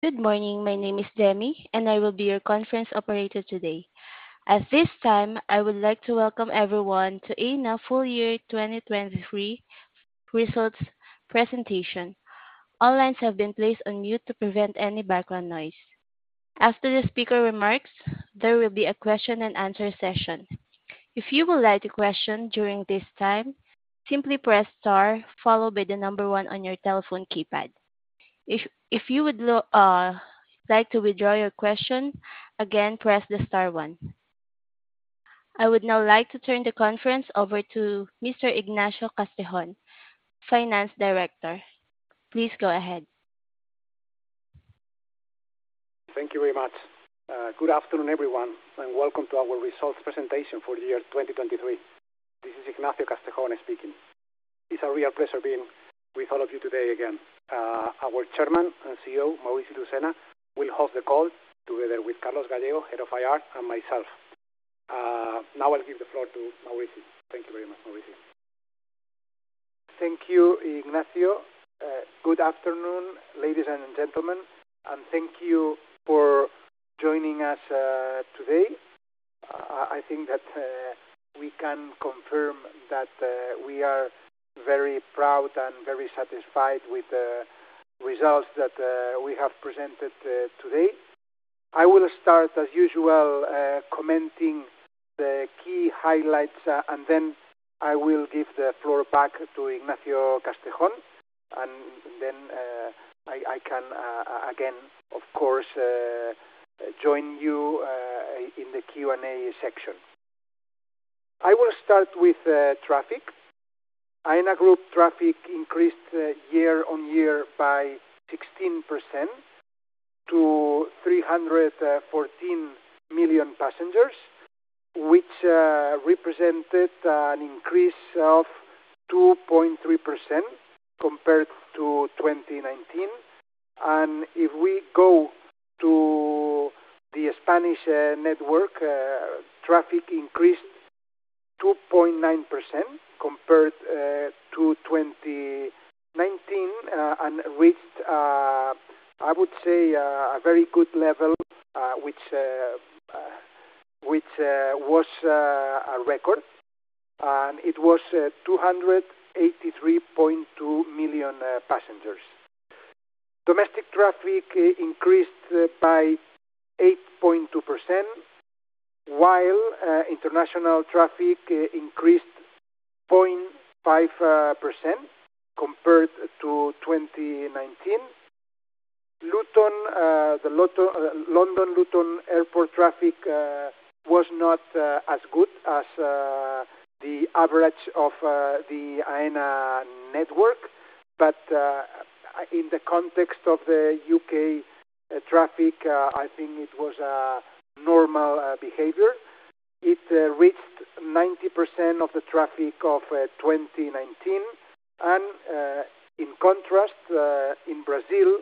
Good morning. My name is Demi, and I will be your conference operator today. At this time, I would like to welcome everyone to Aena Full Year 2023 Results Presentation. All lines have been placed on mute to prevent any background noise. After the speaker remarks, there will be a question and answer session. If you would like to question during this time, simply press star followed by the number one on your telephone keypad. If you would like to withdraw your question, again, press the star one. I would now like to turn the conference over to Mr. Ignacio Castejón, Finance Director. Please go ahead. Thank you very much. Good afternoon, everyone, and welcome to our results presentation for the year 2023. This is Ignacio Castejón speaking. It's a real pleasure being with all of you today again. Our Chairman and CEO, Maurici Lucena, will host the call together with Carlos Gallego, head of IR, and myself. Now I'll give the floor to Maurici. Thank you very much, Maurici. Thank you, Ignacio. Good afternoon, ladies and gentlemen, and thank you for joining us today. I think that we can confirm that we are very proud and very satisfied with the results that we have presented today. I will start as usual commenting the key highlights, and then I will give the floor back to Ignacio Castejón, and then I can again, of course, join you in the Q&A section. I will start with traffic. Aena group traffic increased year on year by 16% to 314 million passengers, which represented an increase of 2.3% compared to 2019. If we go to the Spanish network, traffic increased 2.9% compared to 2019, and reached, I would say, a very good level, which was a record, and it was 283.2 million passengers. Domestic traffic increased by 8.2%, while international traffic increased 0.5% compared to 2019. London Luton Airport traffic was not as good as the average of the Aena network, but in the context of the U.K. traffic, I think it was a normal behavior. It reached 90% of the traffic of 2019, and in contrast, in Brazil,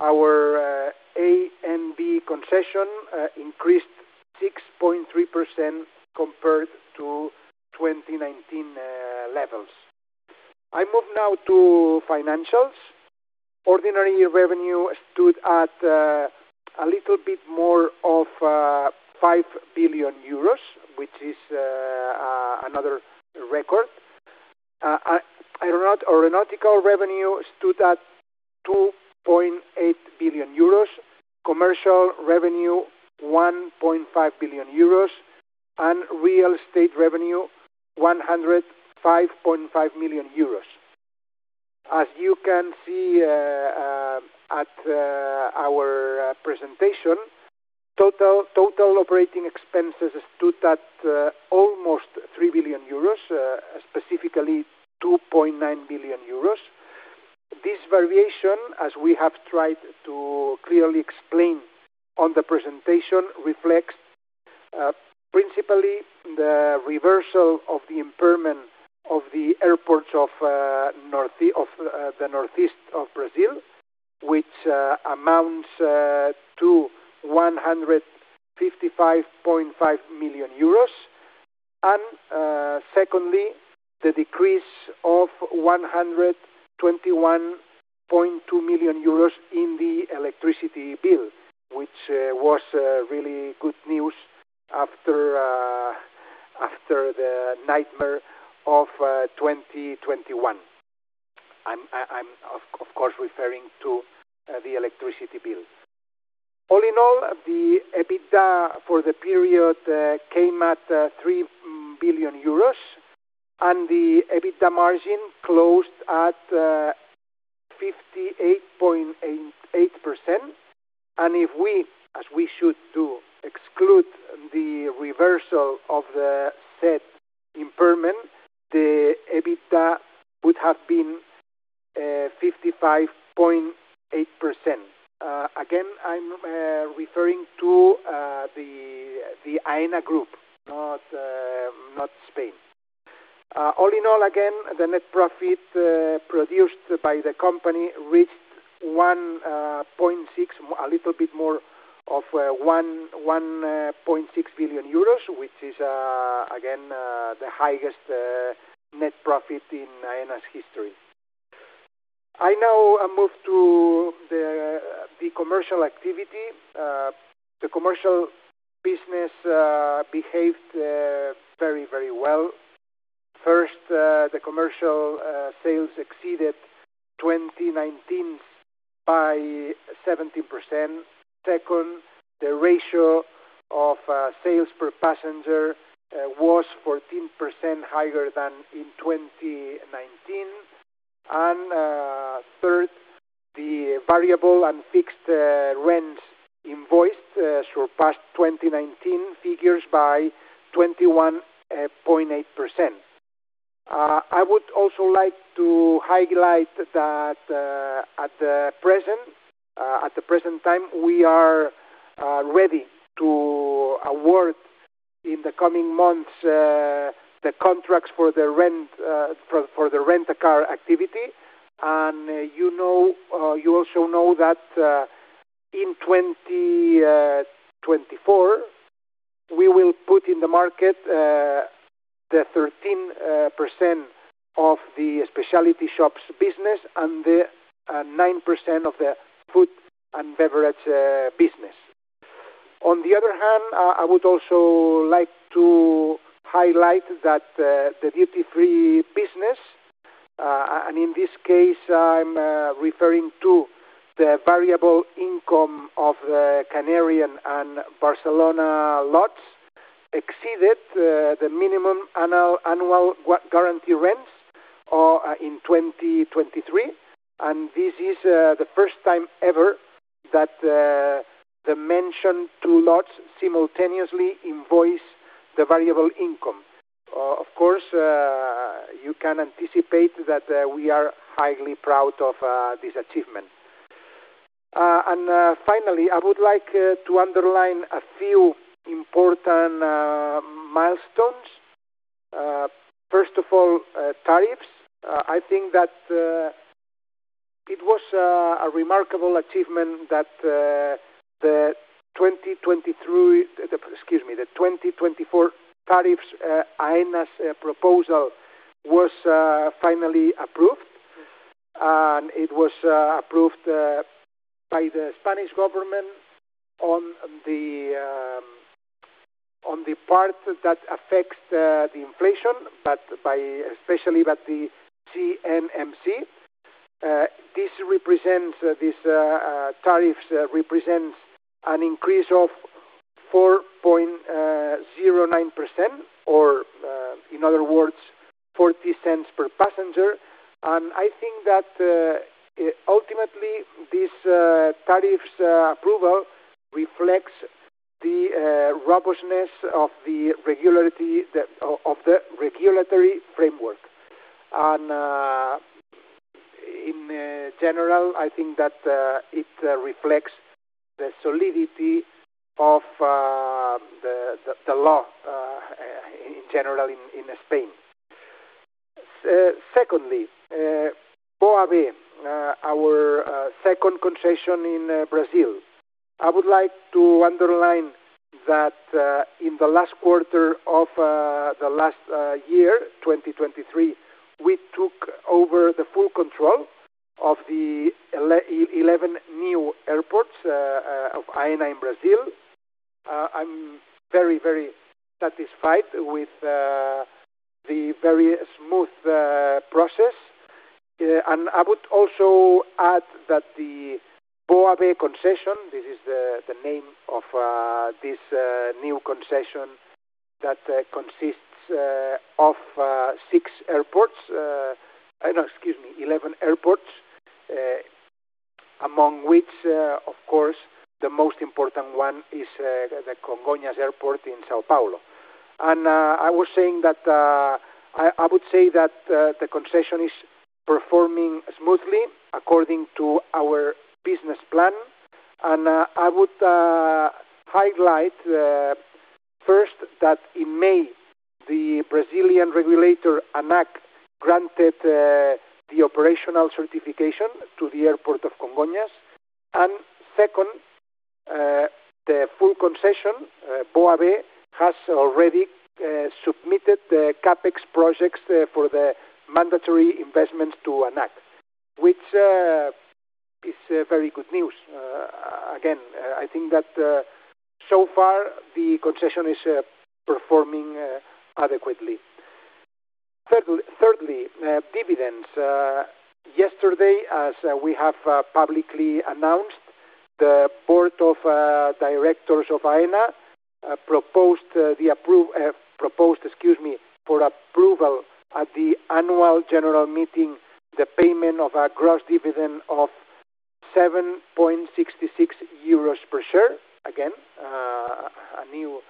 our ANB concession increased 6.3% compared to 2019 levels. I move now to financials. Ordinary revenue stood at a little bit more of 5 billion euros, which is another record. Aeronautical revenue stood at 2.8 billion euros, commercial revenue 1.5 billion euros, and real estate revenue 105.5 million euros. As you can see at our presentation, total operating expenses stood at almost 3 billion euros, specifically 2.9 billion euros. This variation, as we have tried to clearly explain on the presentation, reflects principally the reversal of the impairment of the airports of the northeast of Brazil, which amounts to 155.5 million euros. And secondly, the decrease of 121.2 million euros in the electricity bill, which was really good news after the nightmare of 2021. I'm of course referring to the electricity bill. All in all, the EBITDA for the period came at 3 billion euros, and the EBITDA margin closed at 58.8%. And if we, as we should do, exclude the reversal of the said impairment, the EBITDA would have been 55.8%. Again, I'm referring to the Aena group, not Spain. All in all, again, the net profit produced by the company reached a little bit more than 1.6 billion euros, which is again the highest net profit in Aena's history. I now move to the commercial activity. The commercial business behaved very, very well. First, the commercial sales exceeded 2019 by 70%. Second, the ratio of sales per passenger was 14% higher than in 2019. Third, the variable and fixed rents invoiced surpassed 2019 figures by 21.8%. I would also like to highlight that, at the present time, we are ready to award in the coming months the contracts for the rent-a-car activity. And you know, you also know that, in 2024, we will put in the market the 13% of the specialty shops business and the 9% of the food and beverage business. On the other hand, I would also like to highlight that the duty-free business, and in this case, I'm referring to the variable income of the Canarian and Barcelona lots, exceeded the minimum annual guarantee rents in 2023. And this is the first time ever that the mentioned two lots simultaneously invoice the variable income. Of course, you can anticipate that we are highly proud of this achievement. And finally, I would like to underline a few important milestones. First of all, tariffs. I think that it was a remarkable achievement that the 2023, excuse me, the 2024 tariffs, Aena's proposal was finally approved. And it was approved by the Spanish government on the part that affects the inflation, but by... especially by the CNMC. This represents, this tariffs represents an increase of 4.09%, or in other words, 0.40 per passenger. And I think that ultimately, this tariffs approval reflects the robustness of the regularity of the regulatory framework. In general, I think that it reflects the solidity of the law in general in Spain. Secondly, BOAB, our second concession in Brazil. I would like to underline that in the last quarter of the last year, 2023, we took over the full control of the 11 new airports of Aena in Brazil. I'm very satisfied with the very smooth process. And I would also add that the BOAB concession, this is the name of this new concession that consists of 6 airports, no, excuse me, 11 airports, among which, of course, the most important one is the Congonhas Airport in São Paulo. I was saying that I would say that the concession is performing smoothly, according to our business plan. I would highlight first that in May, the Brazilian regulator, ANAC, granted the operational certification to the airport of Congonhas. And second, the full concession, BOAB, has already submitted the CapEx projects for the mandatory investments to ANAC, which is very good news. Again, I think that so far, the concession is performing adequately. Thirdly, dividends. Yesterday, as we have publicly announced, the Board of Directors of Aena proposed, excuse me, for approval at the Annual General Meeting, the payment of a gross dividend of 7.66 euros per share. Again, a new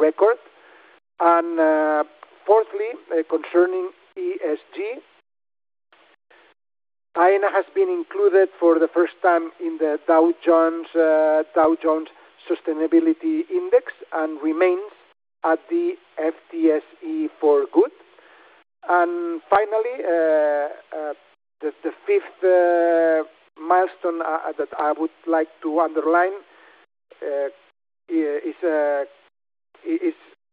record. Fourthly, concerning ESG, Aena has been included for the first time in the Dow Jones Sustainability Index and remains at the FTSE4Good. And finally, the fifth milestone that I would like to underline is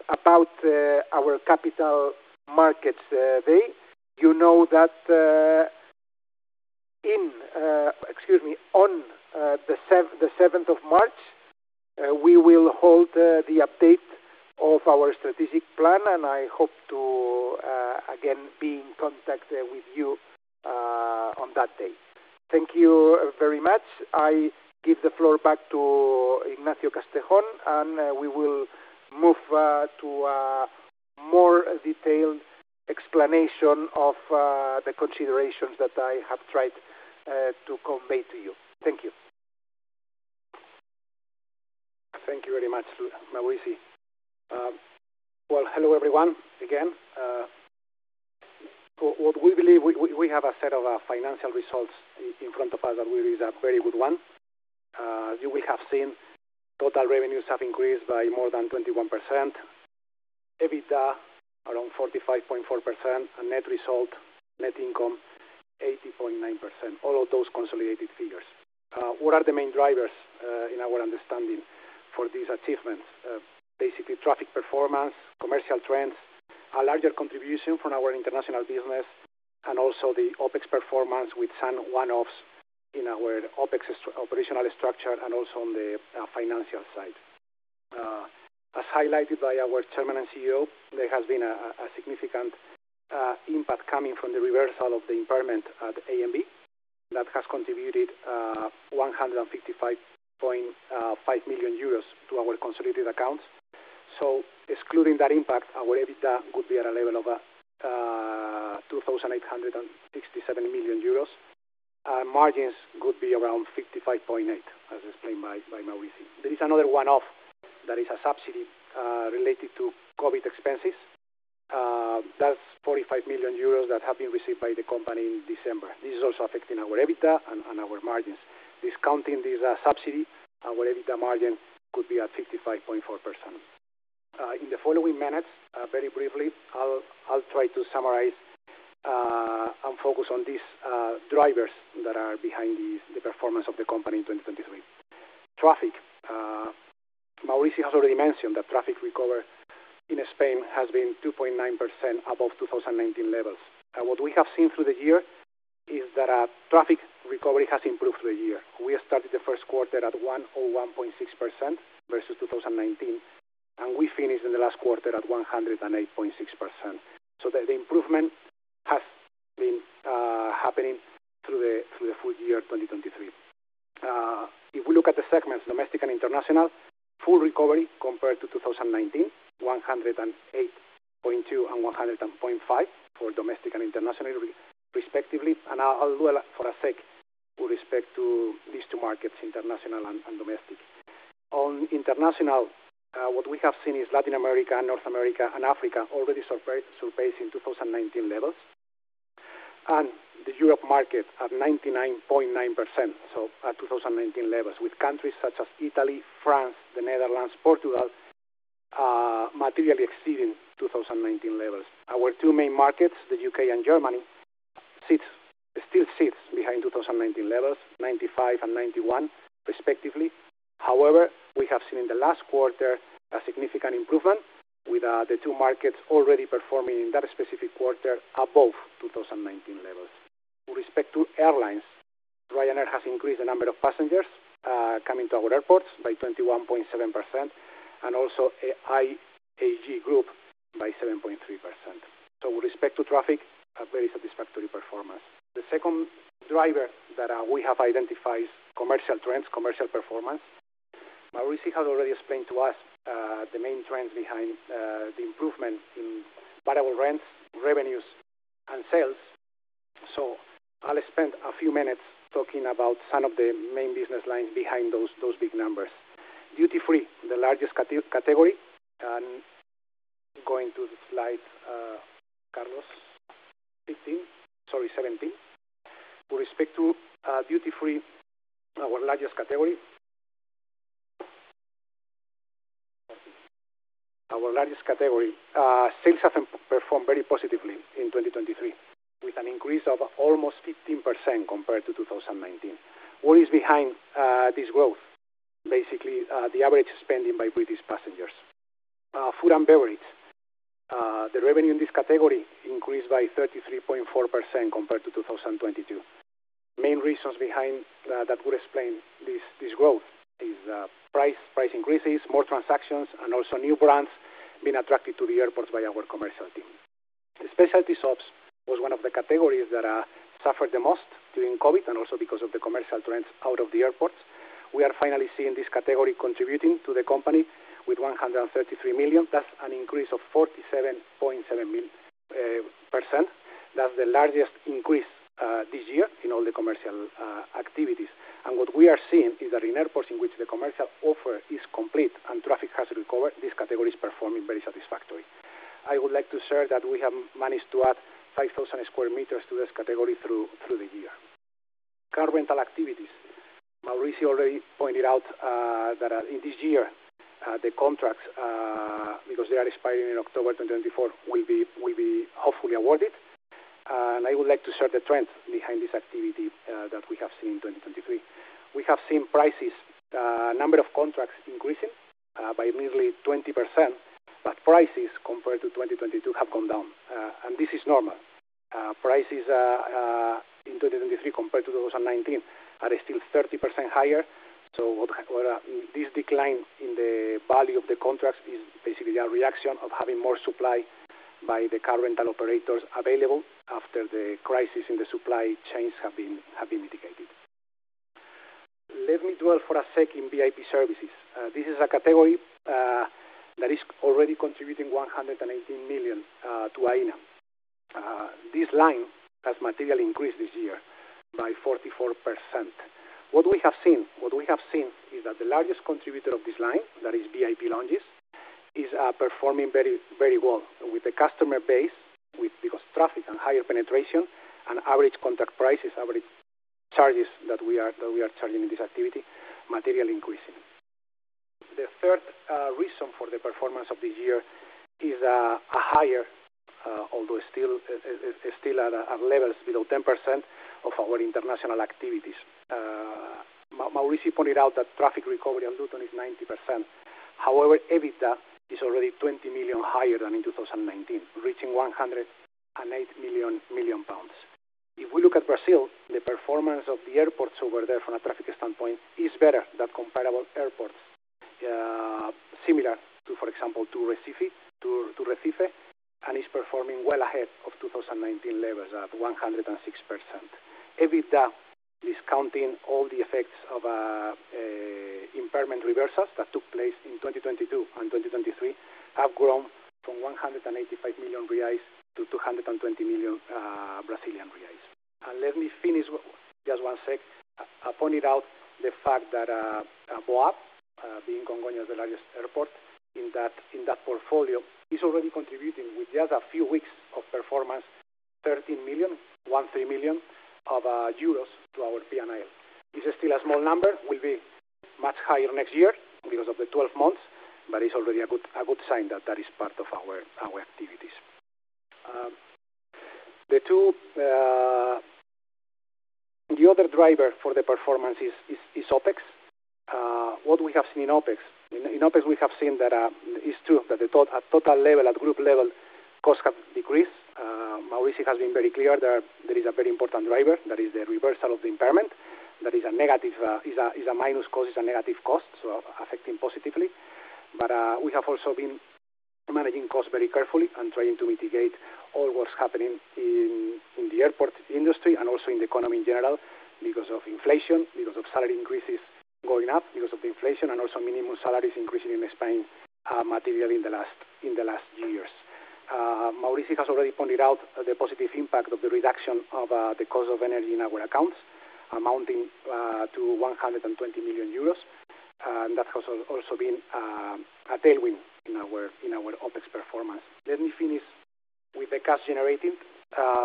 about our Capital Markets Day. You know that, excuse me, on the 7th of March, we will hold the update of our strategic plan, and I hope to again be in contact with you on that day. Thank you very much. I give the floor back to Ignacio Castejón, and we will move to a more detailed explanation of the considerations that I have tried to convey to you. Thank you. Thank you very much, Maurici. Well, hello everyone again. What we believe, we, we, we have a set of financial results in front of us that really is a very good one. You will have seen total revenues have increased by more than 21%, EBITDA around 45.4%, and net result, net income, 80.9%. All of those consolidated figures. What are the main drivers, in our understanding for these achievements? Basically, traffic performance, commercial trends, a larger contribution from our international business, and also the OpEx performance with some one-offs in our OpEx operational structure, and also on the financial side. As highlighted by our Chairman and CEO, there has been a significant impact coming from the reversal of the impairment at ANB that has contributed 155.5 million euros to our consolidated accounts. Excluding that impact, our EBITDA could be at a level of 2,867 million euros. Margins could be around 55.8%, as explained by Maurici. There is another one-off that is a subsidy related to COVID expenses. That's 45 million euros that have been received by the company in December. This is also affecting our EBITDA and our margins. Discounting this subsidy, our EBITDA margin could be at 55.4%. In the following minutes, very briefly, I'll try to summarize and focus on these drivers that are behind the performance of the company in 2023. Traffic, Maurici has already mentioned that traffic recovery in Spain has been 2.9% above 2019 levels. And what we have seen through the year is that traffic recovery has improved through the year. We started the first quarter at 101.6% versus 2019, and we finished in the last quarter at 108.6%. So the improvement has been happening through the full year 2023. If we look at the segments, domestic and international, full recovery compared to 2019, 108.2% and 101.5% for domestic and international, respectively. I'll dwell for a sec with respect to these two markets, international and domestic. On international, what we have seen is Latin America and North America and Africa already surpassing 2019 levels, and the Europe market at 99.9%, so at 2019 levels, with countries such as Italy, France, the Netherlands, Portugal materially exceeding 2019 levels. Our two main markets, the U.K. and Germany, still sits behind 2019 levels, 95% and 91% respectively. However, we have seen in the last quarter a significant improvement with the two markets already performing in that specific quarter above 2019 levels. With respect to airlines, Ryanair has increased the number of passengers coming to our airports by 21.7%, and also IAG group by 7.3%. So with respect to traffic, a very satisfactory performance. The second driver that we have identified is commercial trends, commercial performance. Maurici has already explained to us the main trends behind the improvement in variable rents, revenues, and sales. So I'll spend a few minutes talking about some of the main business lines behind those big numbers. Duty free, the largest category, and going to the slide, Carlos, 15, sorry, 17. With respect to duty free, our largest category... Our largest category, sales have outperformed very positively in 2023, with an increase of almost 15% compared to 2019. What is behind this growth? Basically, the average spending by British passengers. Food and beverage, the revenue in this category increased by 33.4% compared to 2022. Main reasons behind that would explain this growth is price increases, more transactions, and also new brands being attracted to the airports by our commercial team. Specialty shops was one of the categories that suffered the most during COVID, and also because of the commercial trends out of the airports. We are finally seeing this category contributing to the company with 133 million. That's an increase of 47.7%. That's the largest increase this year in all the commercial activities. What we are seeing is that in airports in which the commercial offer is complete and traffic has recovered, this category is performing very satisfactory. I would like to share that we have managed to add 5,000 sqm to this category through the year. Car rental activities. Maurici already pointed out that in this year the contracts because they are expiring in October 2024, will be hopefully awarded. And I would like to share the trend behind this activity that we have seen in 2023. We have seen prices number of contracts increasing by nearly 20%, but prices compared to 2022 have come down. This is normal. Prices in 2023 compared to those in 2019 are still 30% higher. So what this decline in the value of the contracts is basically a reaction of having more supply by the car rental operators available after the crisis in the supply chains have been mitigated. Let me dwell for a sec in VIP services. This is a category that is already contributing 118 million to Aena. This line has materially increased this year by 44%. What we have seen is that the largest contributor of this line, that is VIP lounges, is performing very, very well with the customer base, with because traffic and higher penetration and average contract prices, average charges that we are charging in this activity, materially increasing. The third reason for the performance of this year is a higher, although still is still at levels below 10% of our international activities. Maurici pointed out that traffic recovery on Luton is 90%. However, EBITDA is already 20 million higher than in 2019, reaching 108 million pounds. If we look at Brazil, the performance of the airports over there from a traffic standpoint is better than comparable airports, similar to, for example, to Recife, to Recife, and is performing well ahead of 2019 levels at 106%. EBITDA, discounting all the effects of impairment reversals that took place in 2022 and 2023, have grown from 185 million reais to 220 million Brazilian reais. Let me finish just one sec. I pointed out the fact that BOAB, being Congonhas, the largest airport in that portfolio, is already contributing with just a few weeks of performance, 13 million to our P&L. This is still a small number, will be much higher next year because of the 12 months, but it's already a good sign that that is part of our activities. The two... The other driver for the performance is OpEx. What we have seen in OpEx? In OpEx, we have seen that it's true, that the total level, at group level, costs have decreased. Maurici has been very clear that there is a very important driver, that is the reversal of the impairment. That is a negative, a minus cost, a negative cost, so affecting positively. But we have also been managing costs very carefully and trying to mitigate all what's happening in the airport industry and also in the economy in general, because of inflation, because of salary increases going up, because of inflation and also minimum salaries increasing in Spain, materially in the last few years. Maurici has already pointed out the positive impact of the reduction of the cost of energy in our accounts, amounting to 120 million euros. And that has also been a tailwind in our OpEx performance. Let me finish with the cash generated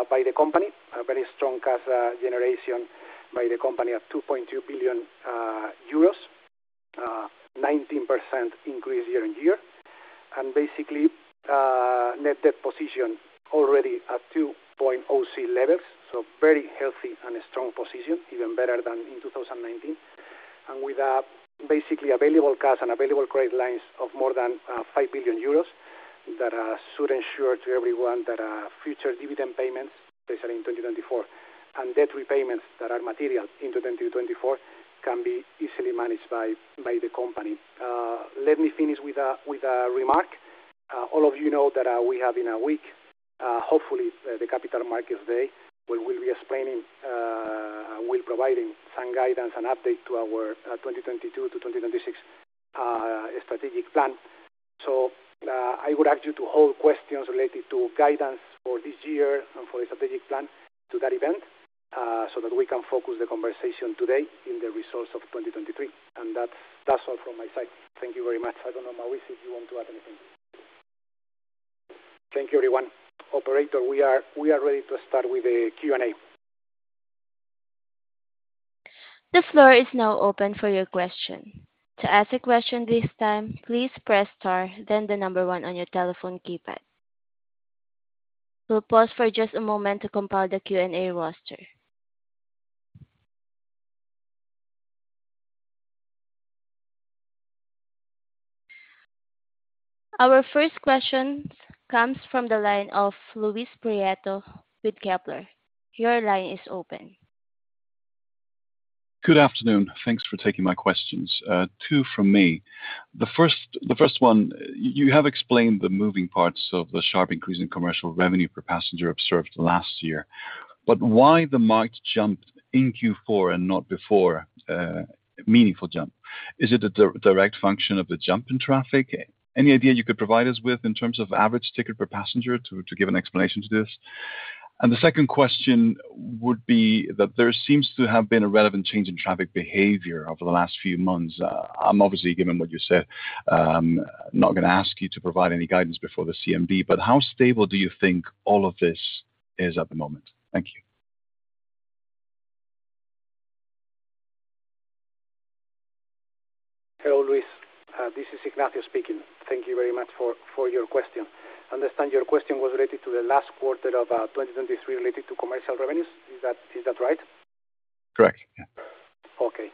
by the company. A very strong cash generation by the company of 2.2 billion euros, 19% increase year-on-year. Basically, net debt position already at 2.0x levels, so very healthy and strong position, even better than in 2019. With basically available cash and available credit lines of more than 5 billion euros, that should ensure to everyone that future dividend payments, especially in 2024, and debt repayments that are material in 2024, can be easily managed by the company. Let me finish with a remark. All of you know that we have in a week, hopefully, the Capital Markets Day, where we'll be explaining, we'll providing some guidance and update to our 2022-2026 strategic plan. So, I would urge you to hold questions related to guidance for this year and for the strategic plan to that event, so that we can focus the conversation today in the results of 2023. And that, that's all from my side. Thank you very much. I don't know, Maurici, if you want to add anything. Thank you, everyone. Operator, we are ready to start with the Q&A. The floor is now open for your question. To ask a question this time, please press star, then the number one on your telephone keypad. We'll pause for just a moment to compile the Q&A roster. Our first question comes from the line of Luis Prieto with Kepler. Your line is open. Good afternoon. Thanks for taking my questions. Two from me. The first, the first one, you have explained the moving parts of the sharp increase in commercial revenue per passenger observed last year, but why the market jumped in Q4 and not before, meaningful jump? Is it a direct function of the jump in traffic? Any idea you could provide us with in terms of average ticket per passenger to give an explanation to this? And the second question would be that there seems to have been a relevant change in traffic behavior over the last few months. I'm obviously, given what you said, not gonna ask you to provide any guidance before the CMD, but how stable do you think all of this is at the moment? Thank you. ... Ignacio speaking. Thank you very much for your question. Understand your question was related to the last quarter of 2023, related to commercial revenues. Is that right? Correct, yeah. Okay.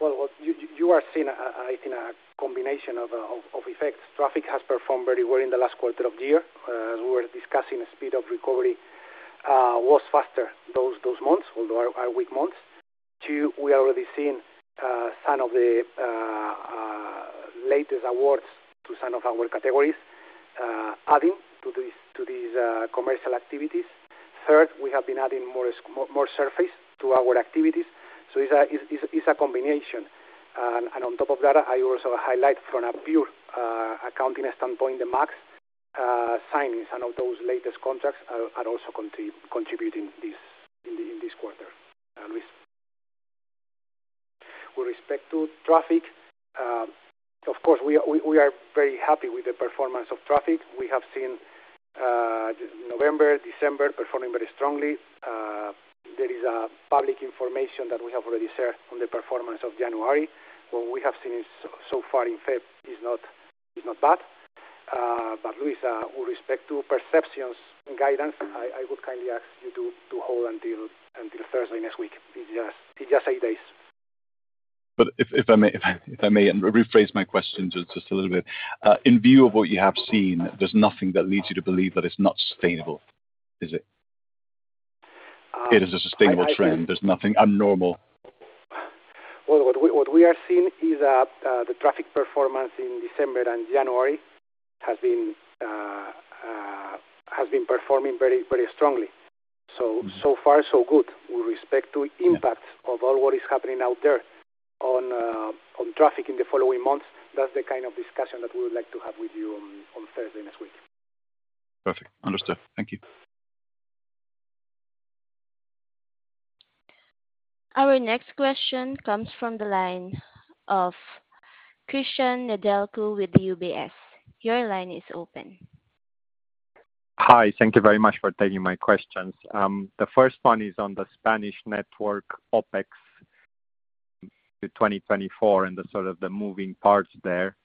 Well, what you are seeing, I think a combination of, of effects. Traffic has performed very well in the last quarter of the year. We were discussing the speed of recovery was faster those months, although are weak months. Two, we're already seeing some of the latest awards to some of our categories, adding to these commercial activities. Third, we have been adding more surface to our activities. So it's a combination. And on top of that, I also highlight from a pure accounting standpoint, the MAG signings, and of those latest contracts are also contributing in this quarter. And with respect to traffic, of course, we are very happy with the performance of traffic. We have seen November, December, performing very strongly. There is public information that we have already shared on the performance of January. What we have seen so far in Feb is not bad. But Luis, with respect to perceptions and guidance, I would kindly ask you to hold until Thursday next week. It's just eight days. But if I may rephrase my question just a little bit. In view of what you have seen, there's nothing that leads you to believe that it's not sustainable, is it? It is a sustainable trend. I, I- There's nothing abnormal. Well, what we are seeing is that the traffic performance in December and January has been performing very, very strongly. So, so far so good. With respect to- Yeah... impacts of all what is happening out there on, on traffic in the following months, that's the kind of discussion that we would like to have with you on, on Thursday next week. Perfect. Understood. Thank you. Our next question comes from the line of Cristian Nedelcu with UBS. Your line is open. Hi, thank you very much for taking my questions. The first one is on the Spanish network, OpEx, the 2024, and the sort of the moving parts there.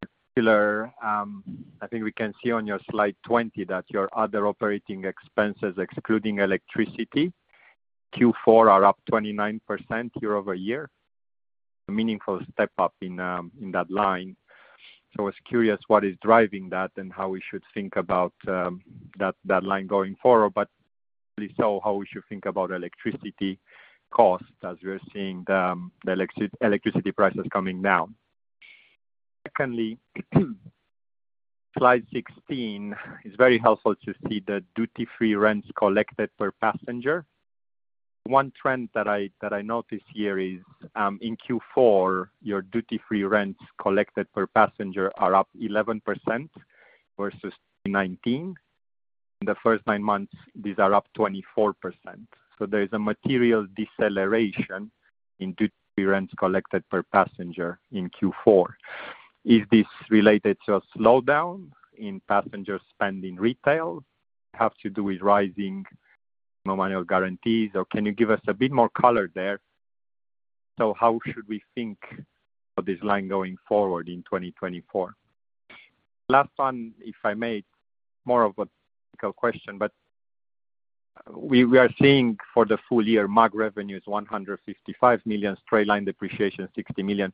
Particular, I think we can see on your slide 20, that your other operating expenses, excluding electricity, Q4, are up 29% year-over-year. A meaningful step up in, in that line. So I was curious, what is driving that and how we should think about, that, that line going forward, but also how we should think about electricity costs, as we are seeing the, the electricity prices coming down. Secondly, slide 16, is very helpful to see the duty-free rents collected per passenger. One trend that I, that I notice here is, in Q4, your duty-free rents collected per passenger are up 11% versus 2019. In the first nine months, these are up 24%. So there is a material deceleration in duty-free rents collected per passenger in Q4. Is this related to a slowdown in passenger spend in retail? Has to do with rising minimum annual guarantees, or can you give us a bit more color there? So how should we think of this line going forward in 2024? Last one, if I may, more of a question, but we, we are seeing for the full year, MAG revenue is 155 million, straight-line depreciation, 60 million.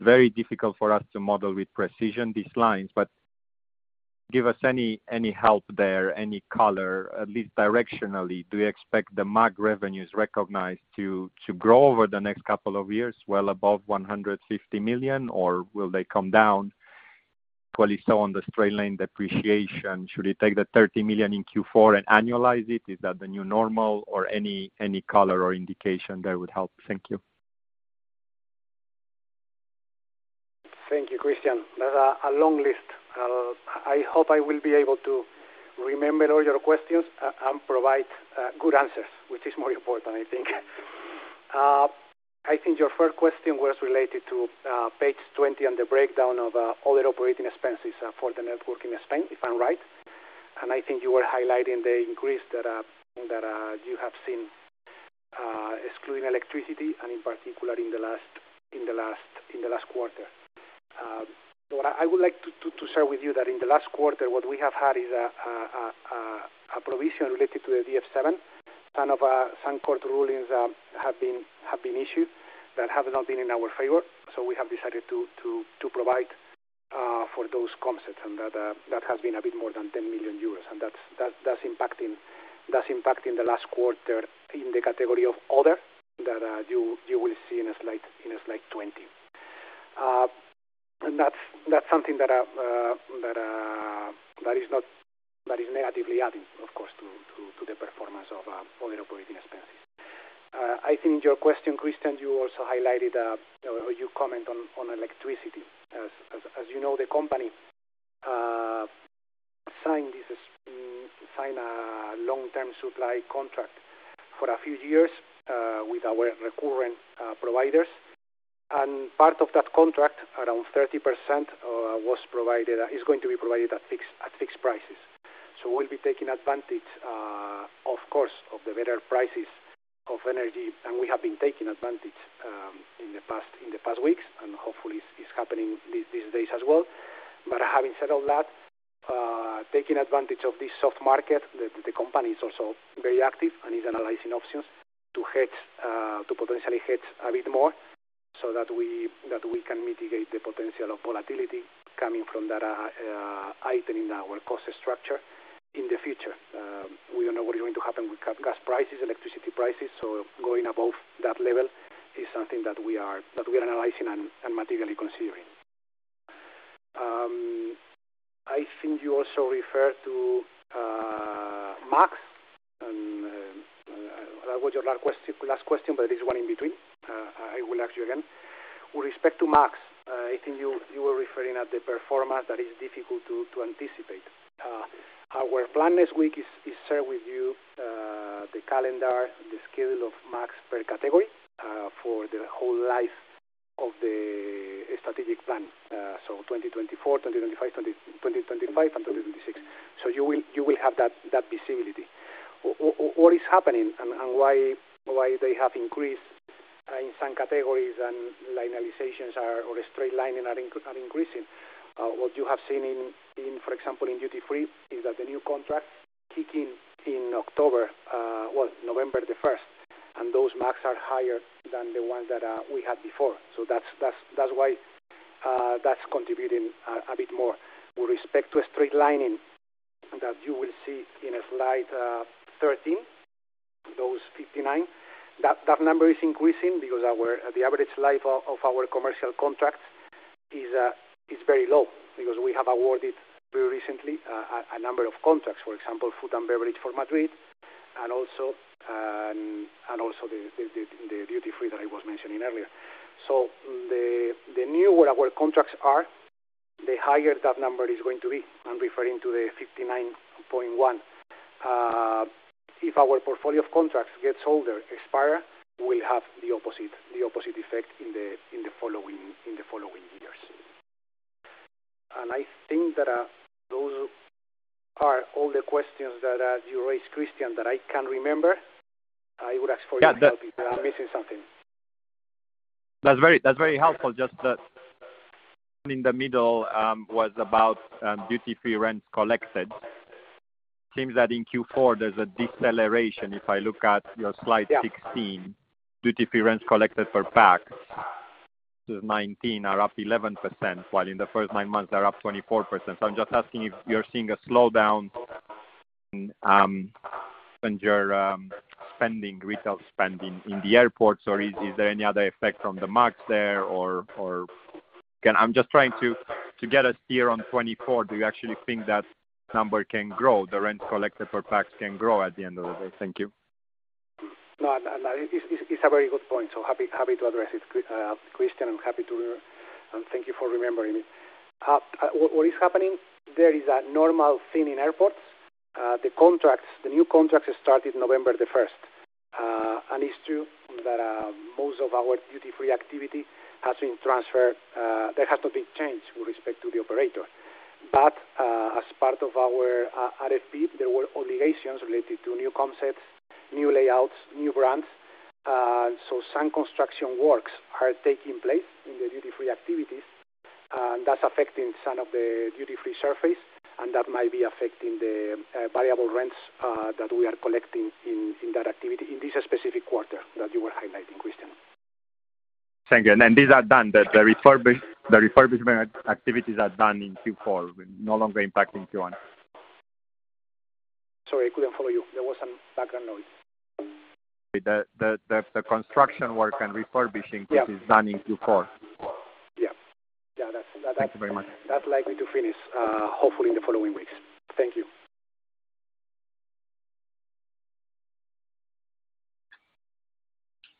Very difficult for us to model with precision these lines, but give us any, any help there, any color, at least directionally, do you expect the MAG revenues recognized to, to grow over the next couple of years, well above 150 million, or will they come down? Equally so on the straight-line depreciation, should we take the 30 million in Q4 and annualize it? Is that the new normal or any, any color or indication that would help? Thank you. Thank you, Cristian. That's a long list. I hope I will be able to remember all your questions and provide good answers, which is more important, I think. I think your first question was related to page 20, and the breakdown of all the operating expenses for the network in Spain, if I'm right? I think you were highlighting the increase that you have seen, excluding electricity, and in particular in the last quarter. What I would like to share with you is that in the last quarter, what we have had is a provision related to the DF7. Some court rulings have been issued that have not been in our favor, so we have decided to provide for those concepts. And that has been a bit more than 10 million euros, and that's impacting the last quarter in the category of other that you will see in a slide 20. And that's something that is negatively adding, of course, to the performance of operating expenses. I think your question, Cristian, you also highlighted or you comment on electricity. As you know, the company signed a long-term supply contract for a few years with our recurring providers. And part of that contract, around 30%, was provided, is going to be provided at fixed prices. So we'll be taking advantage, of course, of the better prices of energy, and we have been taking advantage in the past weeks, and hopefully it's happening these days as well. But having said all that, taking advantage of this soft market, the company is also very active and is analyzing options to hedge, to potentially hedge a bit more so that we can mitigate the potential of volatility coming from that item in our cost structure in the future. We don't know what is going to happen with gas prices, electricity prices, so going above that level is something that we are analyzing and materially considering. I think you also referred to MAG, and that was your last question, last question, but there's one in between. I will ask you again. With respect to MAG, I think you were referring to the performance that is difficult to anticipate. Our plan next week is to share with you the calendar, the schedule of MAG per category for the whole life of the strategic plan. So 2024, 2025, and 2026. So you will have that visibility. What is happening and why they have increased in some categories and linearizations are, or a straight line are increasing? What you have seen in, for example, in duty-free, is that the new contract kicks in in October, well, November the 1st, and those MAGs are higher than the ones that we had before. So that's, that's why that's contributing a bit more. With respect to straight-lining, that you will see in a slide 13, those 59, that number is increasing because our the average life of our commercial contracts is very low. Because we have awarded very recently a number of contracts, for example, food and beverage for Madrid, and also and also the duty-free that I was mentioning earlier. So the newer our contracts are, the higher that number is going to be. I'm referring to the 59.1. If our portfolio of contracts gets older, expire, we'll have the opposite, the opposite effect in the, in the following, in the following years. And I think that, those are all the questions that, you raised, Cristian, that I can remember. I would ask for your help- Yeah. I'm missing something. That's very, that's very helpful. Just that in the middle was about duty-free rent collected. Seems that in Q4, there's a deceleration. If I look at your slide- Yeah ...2016, duty-free rents collected per pax, 2019 are up 11%, while in the first nine months, they're up 24%. So I'm just asking if you're seeing a slowdown on your spending, retail spending in the airports, or is there any other effect from the MAG there or... Again, I'm just trying to get us here on 24. Do you actually think that number can grow, the rent collected per pax can grow at the end of the day? Thank you. No, no, no, it's, it's a very good point, so happy, happy to address it, Cristian, I'm happy to... Thank you for remembering it. What, what is happening, there is a normal thing in airports. The contracts, the new contracts started November the first. And it's true that, most of our duty-free activity has been transferred. There has not been changed with respect to the operator. But, as part of our, RFP, there were obligations related to new concepts, new layouts, new brands. So some construction works are taking place in the duty-free activities, and that's affecting some of the duty-free surface, and that might be affecting the, variable rents, that we are collecting in, in that activity, in this specific quarter that you were highlighting, Cristian. Thank you. These are done, the refurbishment activities are done in Q4, no longer impacting Q1? Sorry, I couldn't follow you. There was some background noise. The construction work and refurbishing- Yeah. This is done in Q4. Yeah. Yeah, that's- Thank you very much. That's likely to finish, hopefully in the following weeks. Thank you.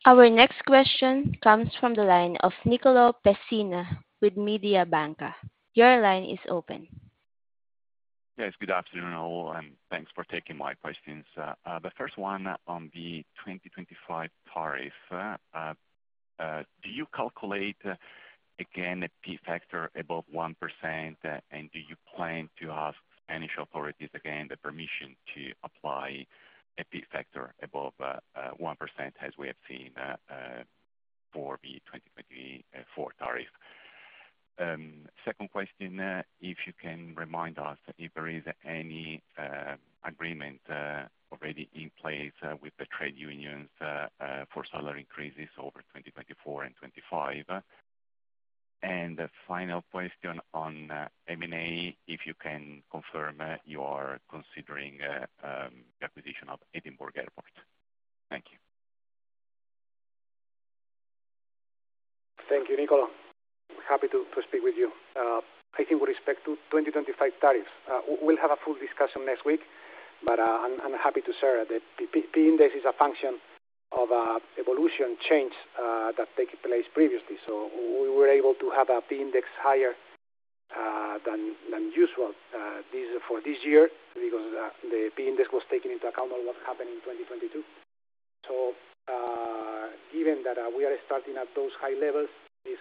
Our next question comes from the line of Nicolò Pessina with Mediobanca. Your line is open. Yes, good afternoon, all, and thanks for taking my questions. The first one on the 2025 tariff. Do you calculate again, a P factor above 1%? And do you plan to ask initial authorities again, the permission to apply a P factor above, 1%, as we have seen, for the 2023 and 2024 tariff? Second question, if you can remind us if there is any, agreement, already in place, with the trade unions, for salary increases over 2024 and 2025. And the final question on, M&A, if you can confirm, you are considering, acquisition of Edinburgh Airport. Thank you. Thank you, Nicolò. Happy to speak with you. I think with respect to 2025 tariffs, we'll have a full discussion next week, but I'm happy to share that P index is a function of evolution change that took place previously. So we were able to have a P index higher than usual for this year, because the P index was taken into account on what happened in 2022. So even that we are starting at those high levels, it's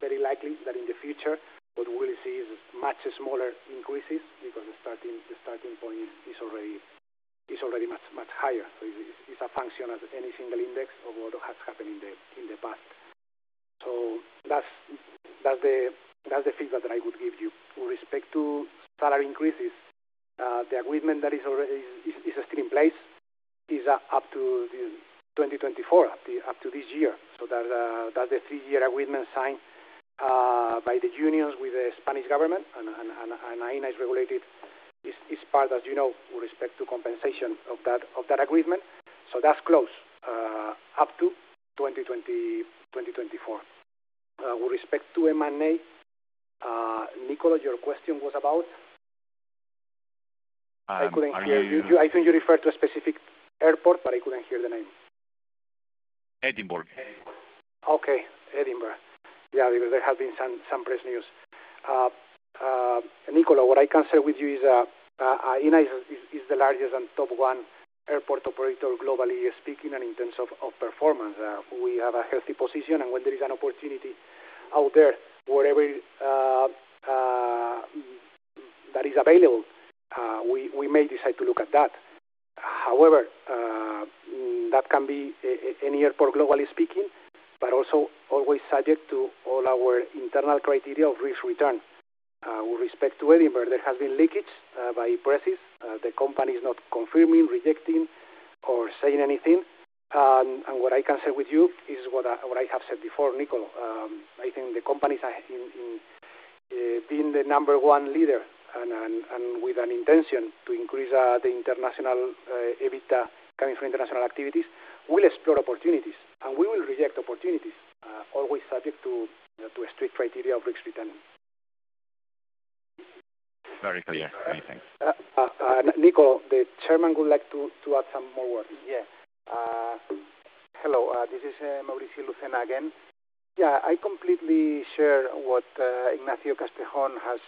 very likely that in the future, what we'll see is much smaller increases because the starting point is already much higher. So it's a function of any single index of what has happened in the past. So that's the figure that I would give you. With respect to salary increases, the agreement that is still in place is up to 2024, up to this year. So that's a three-year agreement signed by the unions with the Spanish government, and Aena is regulated, is part, as you know, with respect to compensation of that agreement. So that's close up to 2020, 2024. With respect to M&A, Nicolò, your question was about? Are you- I couldn't hear you. I think you referred to a specific airport, but I couldn't hear the name. Edinburgh. Okay, Edinburgh. Yeah, because there have been some press news. Nicolò, what I can say with you is, Aena is the largest and top one airport operator, globally speaking, and in terms of performance. We have a healthy position, and when there is an opportunity out there, whatever that is available, we may decide to look at that. However, that can be any airport, globally speaking, but also always subject to all our internal criteria of risk-return. With respect to Edinburgh, there has been leakage by the press. The company is not confirming, rejecting, or saying anything. And what I can say with you is what I have said before, Nicolò. I think the companies are being the number one leader and with an intention to increase the international EBITDA coming from international activities, we'll explore opportunities, and we will reject opportunities always subject to a strict criteria of risk-return. Very clear. Thank you. Nico, the chairman would like to add some more words. Yeah. Hello, this is Maurici Lucena again. Yeah, I completely share what Ignacio Castejón has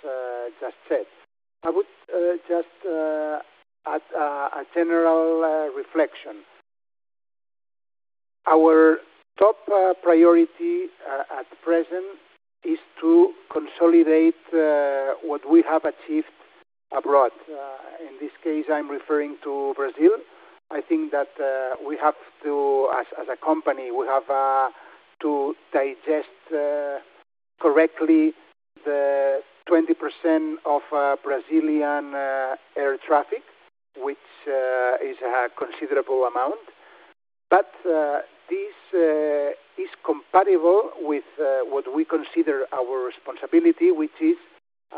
just said. I would just add a general reflection. Our top priority at present is to consolidate what we have achieved abroad. In this case, I'm referring to Brazil. I think that we have to, as, as a company, we have to digest correctly the 20% of Brazilian air traffic, which is a considerable amount. But this is compatible with what we consider our responsibility, which is,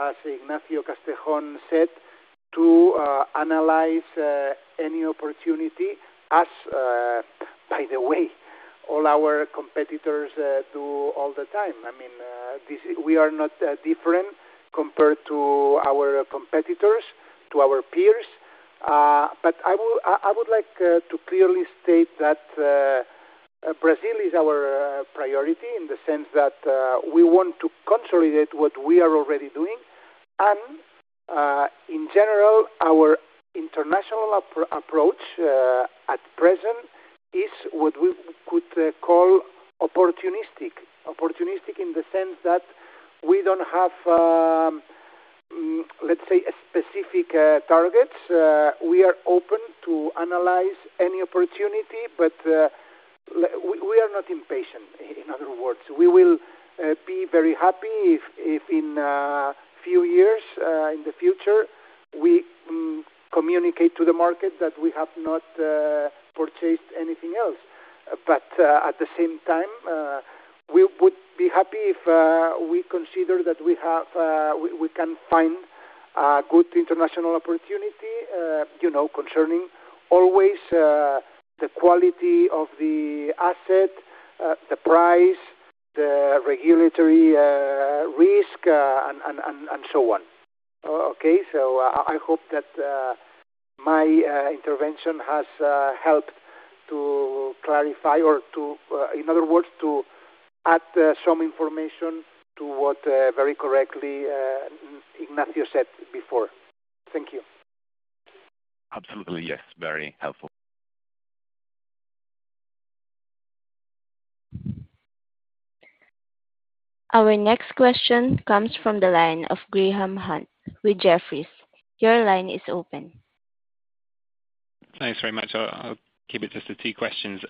as Ignacio Castejón said, to analyze any opportunity as, by the way, all our competitors do all the time. I mean, this we are not different compared to our competitors, to our peers. But I would like to clearly state that Brazil is our priority in the sense that we want to consolidate what we are already doing. And in general, our international approach at present is what we could call opportunistic. Opportunistic in the sense that we don't have, let's say, specific targets. We are open to analyze any opportunity, but we are not impatient, in other words. We will be very happy if in few years in the future we communicate to the market that we have not purchased anything else. But, at the same time, we would be happy if we consider that we have, we can find a good international opportunity, you know, concerning always the quality of the asset, the price, the regulatory risk, and so on. Okay, so I hope that my intervention has helped to clarify or to, in other words, to add some information to what very correctly Ignacio said before. Thank you. Absolutely, yes. Very helpful. Our next question comes from the line of Graham Hunt with Jefferies. Your line is open. Thanks very much. I'll keep it just to two questions.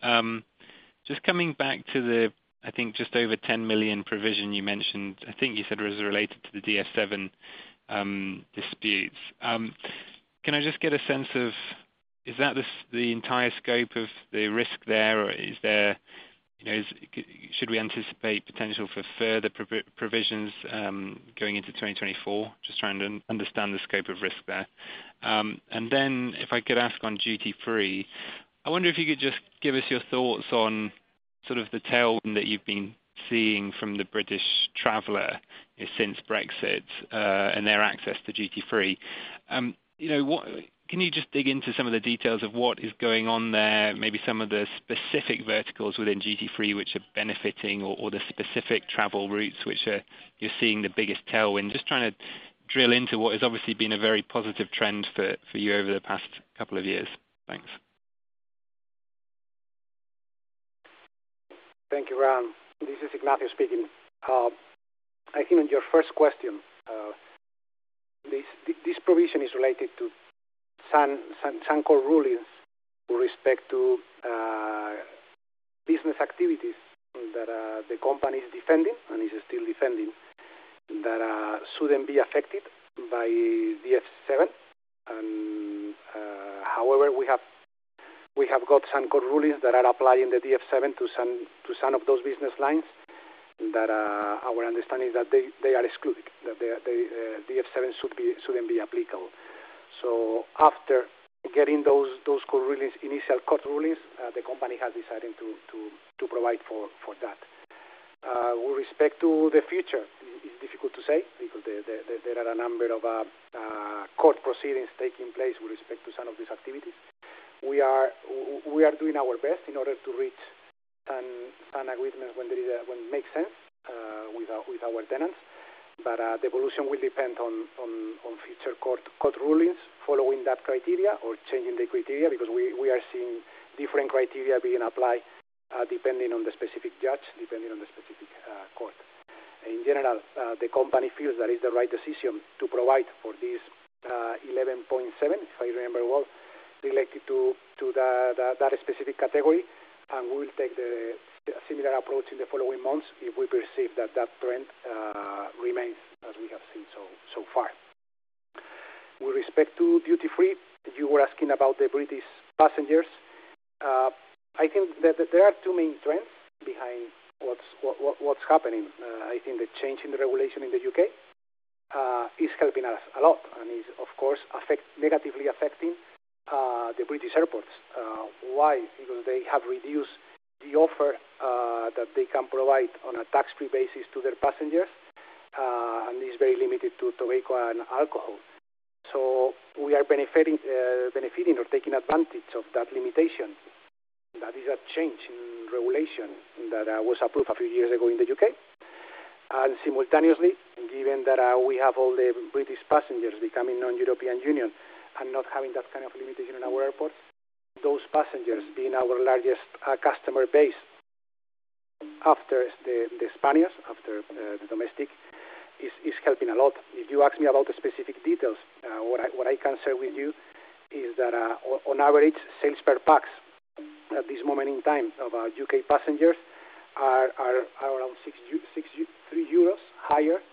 Just coming back to the, I think, just over 10 million provision you mentioned, I think you said it was related to the DF7 disputes. Can I just get a sense of, is that the entire scope of the risk there, or is there, you know, should we anticipate potential for further provisions going into 2024? Just trying to understand the scope of risk there. And then if I could ask on duty-free, I wonder if you could just give us your thoughts on sort of the tail that you've been seeing from the British traveler since Brexit, and their access to duty-free. You know, what can you just dig into some of the details of what is going on there, maybe some of the specific verticals within duty-free which are benefiting or the specific travel routes which you're seeing the biggest tailwind? Just trying to drill into what has obviously been a very positive trend for you over the past couple of years. Thanks. This is Ignacio speaking. I think on your first question, this provision is related to some core rulings with respect to business activities that the company is defending and is still defending, that shouldn't be affected by DF7. And however, we have got some court rulings that are applying the DF7 to some of those business lines that our understanding is that they are excluded, that they are, DF7 shouldn't be applicable. So after getting those court rulings, initial court rulings, the company has decided to provide for that. With respect to the future, it's difficult to say because there are a number of court proceedings taking place with respect to some of these activities. We are doing our best in order to reach an agreement when there is a—when it makes sense with our tenants. But the evolution will depend on future court rulings following that criteria or changing the criteria, because we are seeing different criteria being applied depending on the specific judge, depending on the specific court. In general, the company feels that is the right decision to provide for this 11.7, if I remember well, related to that specific category, and we will take the similar approach in the following months if we perceive that that trend remains, as we have seen so far. With respect to duty-free, you were asking about the British passengers. I think that there are two main trends behind what's happening. I think the change in the regulation in the U.K. is helping us a lot, and is, of course, negatively affecting the British airports. Why? Because they have reduced the offer that they can provide on a tax-free basis to their passengers, and is very limited to tobacco and alcohol. So we are benefiting, benefiting or taking advantage of that limitation. That is a change in regulation that was approved a few years ago in the U.K. And simultaneously, given that we have all the British passengers becoming non-European Union and not having that kind of limitation in our airport, those passengers being our largest customer base after the Spaniards, after the domestic, is helping a lot. If you ask me about the specific details, what I can share with you is that, on average, sales per pax at this moment in time of our U.K. passengers are around 63 euros higher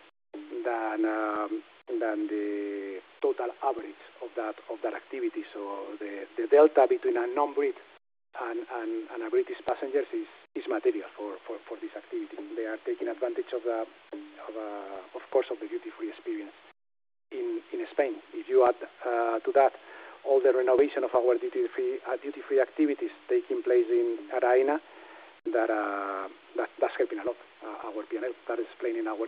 than the total average of that activity. So the delta between a non-Brit and a British passenger is material for this activity. They are taking advantage of, of course, the duty-free experience in Spain. If you add to that, all the renovation of our duty-free activities taking place in Aena, that's helping a lot our P&L. That is explaining our 23.5%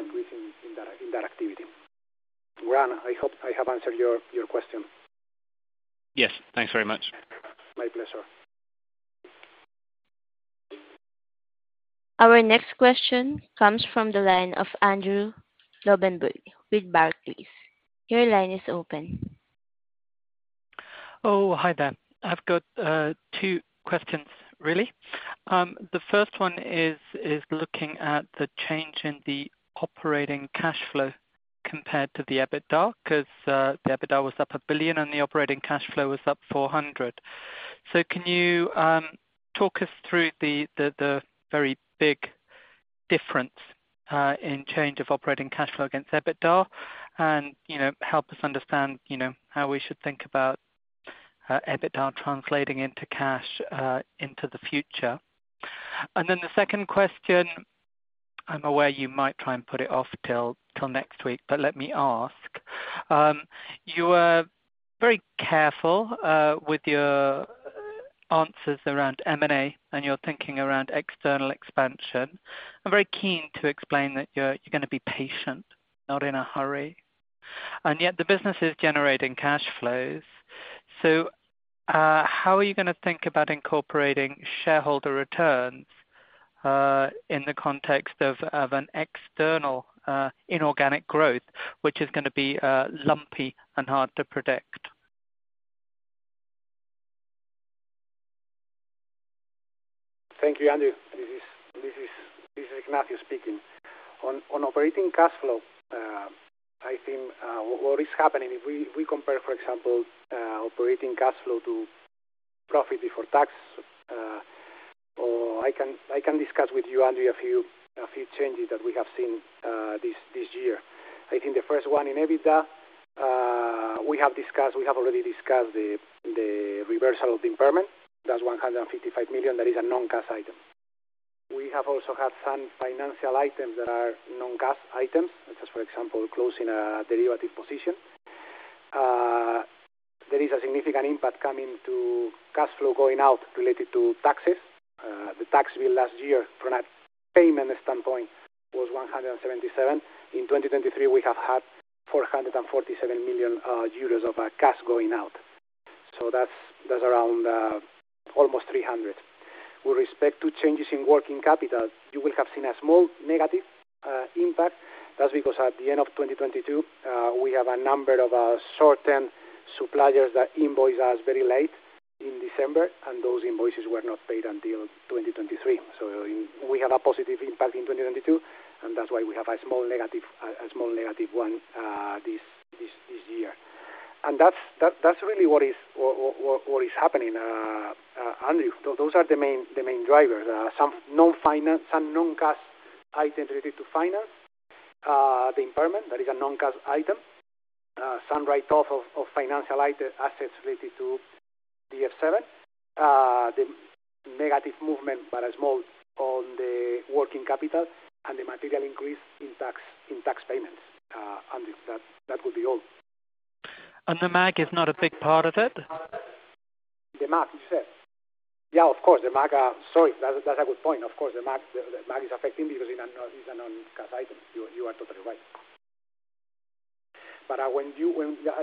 increase in that activity. Grant, I hope I have answered your question. Yes, thanks very much. My pleasure. Our next question comes from the line of Andrew Lobbenberg with Barclays. Your line is open. Oh, hi there. I've got two questions, really. The first one is looking at the change in the operating cash flow compared to the EBITDA, 'cause the EBITDA was up 1 billion and the operating cash flow was up 400 million. So can you talk us through the very big difference in change of operating cash flow against EBITDA? And, you know, help us understand, you know, how we should think about EBITDA translating into cash into the future. And then the second question, I'm aware you might try and put it off till next week, but let me ask. You were very careful with your answers around M&A and your thinking around external expansion. I'm very keen to explain that you're gonna be patient, not in a hurry, and yet the business is generating cash flows. So, how are you gonna think about incorporating shareholder returns in the context of an external inorganic growth, which is gonna be lumpy and hard to predict? Thank you, Andrew. This is Ignacio speaking. On operating cash flow, I think what is happening, if we compare, for example, operating cash flow to profit before tax, or I can discuss with you, Andrew, a few changes that we have seen this year. I think the first one in EBITDA, we have discussed, we have already discussed the reversal of the impairment. That's 155 million. That is a non-cash item. We have also had some financial items that are non-cash items. Such as, for example, closing a derivative position. There is a significant impact coming to cash flow, going out related to taxes. The tax bill last year, from a payment standpoint, was 177 million. In 2023, we have had 447 million euros of cash going out. So that's around almost 300 million. With respect to changes in working capital, you will have seen a small negative impact. That's because at the end of 2022, we have a number of certain suppliers that invoice us very late in December, and those invoices were not paid until 2023. So we had a positive impact in 2022, and that's why we have a small negative, a small negative one, this year. And that's really what is happening, Andrew. So those are the main drivers. Some non-finance, some non-cash items related to finance. The impairment, that is a non-cash item. Some write-off of financial item, assets related to the DF7. The negative movement, but as small on the working capital and the material increase in tax payments. That would be all. The MAG is not a big part of it? The MAG, you said? Yeah, of course, the MAG, sorry, that's, that's a good point. Of course, the MAG, the MAG is affecting because it's a non, it's a non-cash item. You are, you are totally right. But, I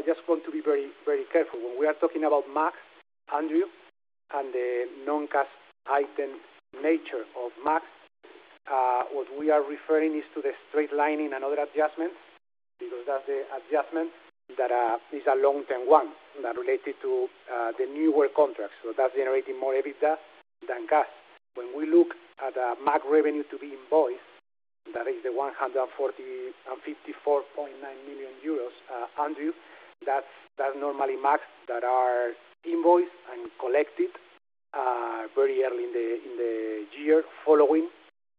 just want to be very, very careful. When we are talking about MAG, Andrew, and the non-cash item nature of MAG, what we are referring is to the straight lining and other adjustments, because that's the adjustment that, is a long-term one, that related to, the new work contracts. So that's generating more EBITDA than cash. When we look at MAG revenue to be invoiced, that is the 154.9 million euros, Andrew, that's normally MAG that are invoiced and collected very early in the year following,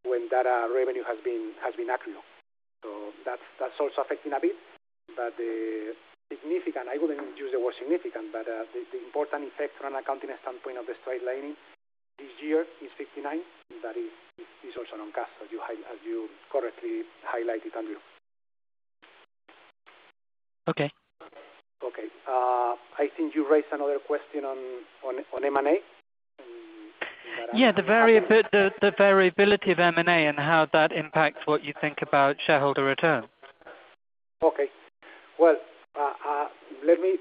when that revenue has been accurate. So that's also affecting a bit. But the significant, I wouldn't use the word significant, but the important effect from an accounting standpoint of the straight lining this year is 59 million, that is also non-cash, as you correctly highlighted, Andrew. Okay. Okay, I think you raised another question on M&A? Yeah, the variability of M&A and how that impacts what you think about shareholder return. Okay. Well, let me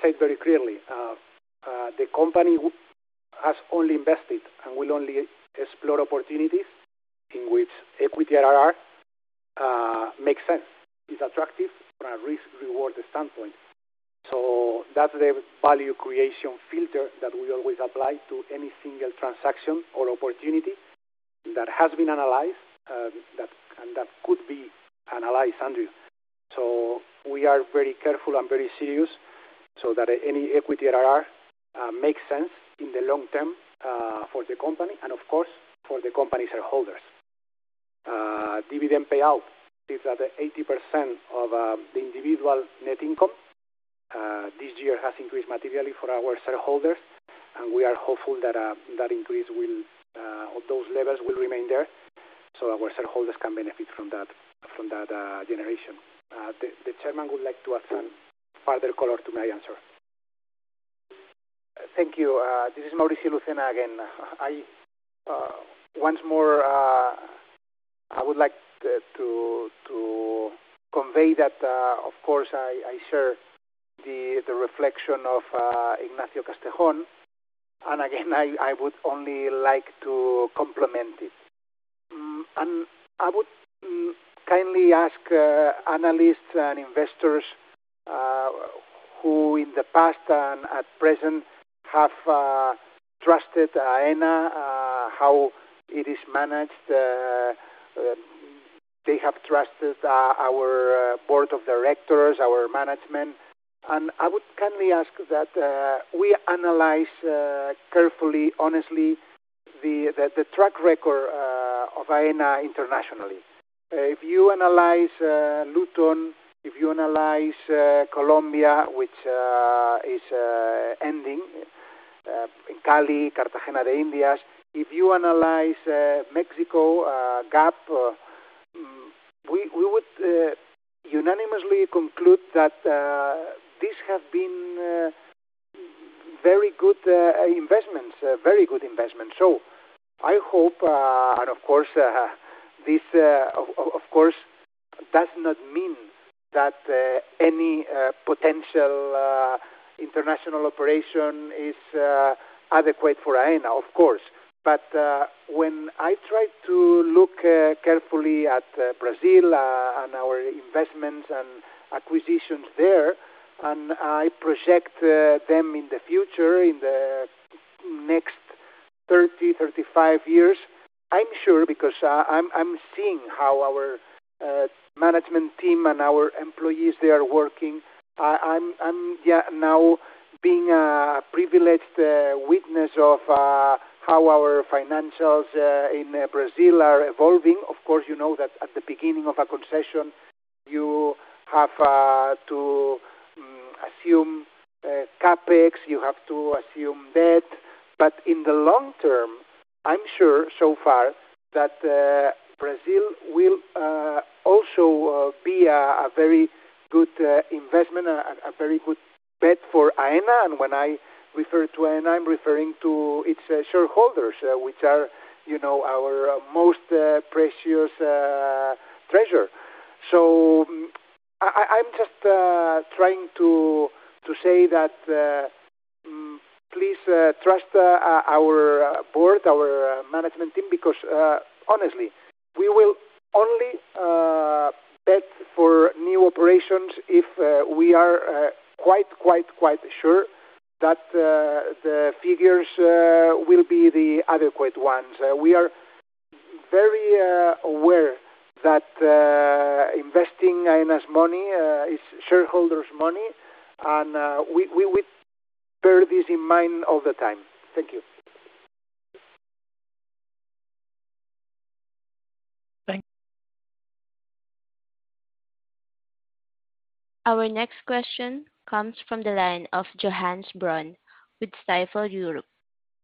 say very clearly, the company has only invested and will only explore opportunities in which equity IRR makes sense, is attractive from a risk-reward standpoint. So that's the value creation filter that we always apply to any single transaction or opportunity that has been analyzed, that, and that could be analyzed, Andrew. So we are very careful and very serious so that any equity IRR makes sense in the long term, for the company and of course, for the company's shareholders. Dividend payout is at 80% of the individual net income. This year has increased materially for our shareholders, and we are hopeful that that increase will, or those levels will remain there, so our shareholders can benefit from that, from that generation. The chairman would like to add some further color to my answer. Thank you. This is Maurici Lucena again. I once more I would like to to to convey that of course I I share the the reflection of Ignacio Castejón. And again I I would only like to complement it. And I would kindly ask analysts and investors who in the past and at present have trusted Aena how it is managed they have trusted our board of directors, our management. And I would kindly ask that we analyze carefully, honestly, the the the track record of Aena internationally. If you analyze Luton, if you analyze Colombia, which is ending in Cali, Cartagena de Indias, if you analyze Mexico, GAP, we would unanimously conclude that this have been very good investments, very good investments. So I hope, and of course, this of course does not mean that any potential international operation is adequate for Aena, of course. But when I try to look carefully at Brazil and our investments and acquisitions there, and I project them in the future, in the next 30-35 years, I'm sure, because I'm seeing how our management team and our employees, they are working. I'm now being a privileged witness of how our financials in Brazil are evolving. Of course, you know that at the beginning of a concession, you have to assume CapEx, you have to assume debt. But in the long term, I'm sure so far that Brazil will also be a very good investment and a very good bet for Aena. And when I refer to Aena, I'm referring to its shareholders, which are, you know, our most precious treasure. So I'm just trying to say that please trust our board, our management team, because honestly, we will only bet for new operations if we are quite, quite, quite sure that the figures will be the adequate ones. We are very aware that investing Aena's money is shareholders' money, and we bear this in mind all the time. Thank you. Thank. Our next question comes from the line of Johannes Braun with Stifel Europe.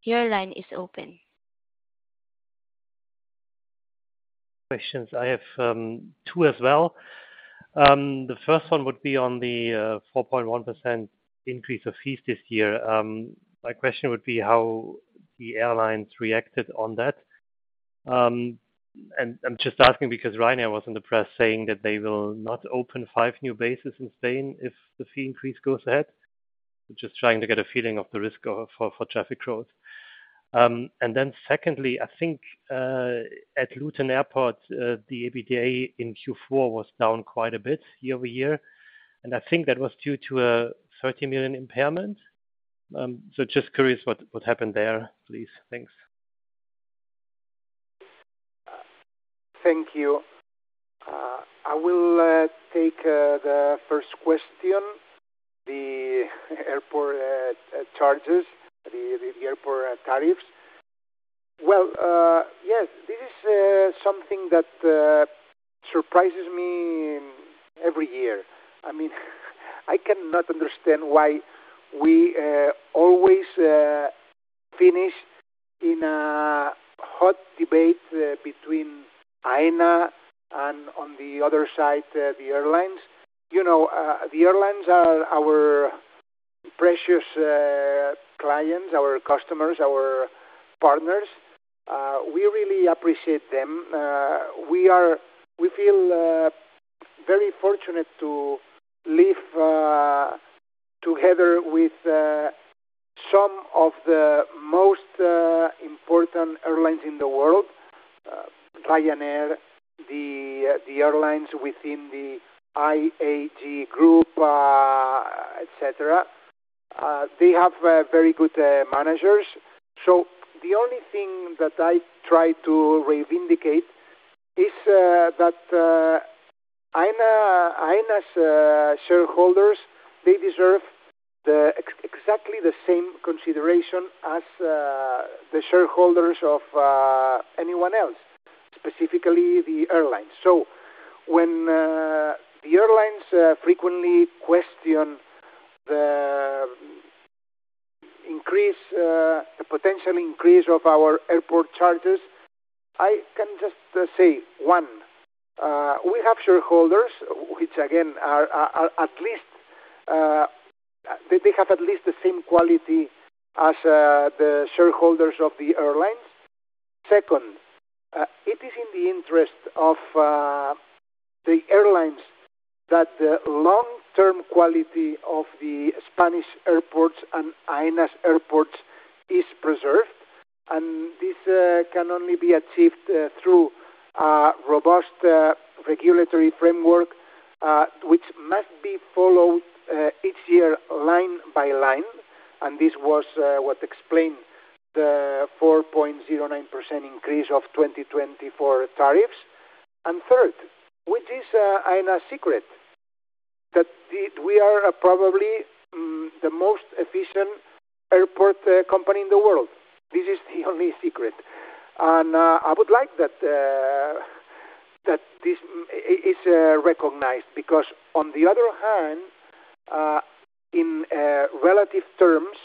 Your line is open. Questions. I have two as well. The first one would be on the 4.1% increase of fees this year. My question would be how the airlines reacted on that. And I'm just asking because Ryanair was in the press saying that they will not open five new bases in Spain if the fee increase goes ahead. Just trying to get a feeling of the risk of, for, for traffic growth. And then secondly, I think at Luton Airport the EBITDA in Q4 was down quite a bit year-over-year, and I think that was due to a 30 million impairment. So just curious what, what happened there, please. Thanks. Thank you. I will take the first question, the airport charges, the airport tariffs. Well, yes, this is something that surprises me every year. I mean, I cannot understand why we always finish in a hot debate between Aena and on the other side, the airlines. You know, the airlines are our precious clients, our customers, our partners, we really appreciate them. We feel very fortunate to live together with some of the most important airlines in the world, Ryanair, the airlines within the IAG group, et cetera. They have very good managers. So the only thing that I try to vindicate is that Aena's shareholders deserve exactly the same consideration as the shareholders of anyone else, specifically the airlines. So when the airlines frequently question the increase, the potential increase of our airport charges, I can just say, one, we have shareholders, which again are at least they have at least the same quality as the shareholders of the airlines. Second, it is in the interest of the airlines that the long-term quality of the Spanish airports and Aena's airports is preserved, and this can only be achieved through a robust regulatory framework, which must be followed each year, line by line, and this was what explained the 4.09% increase of 2024 tariffs. And third, which is Aena's secret, that we are probably the most efficient airport company in the world. This is the only secret. And I would like that this is recognized, because on the other hand, in relative terms,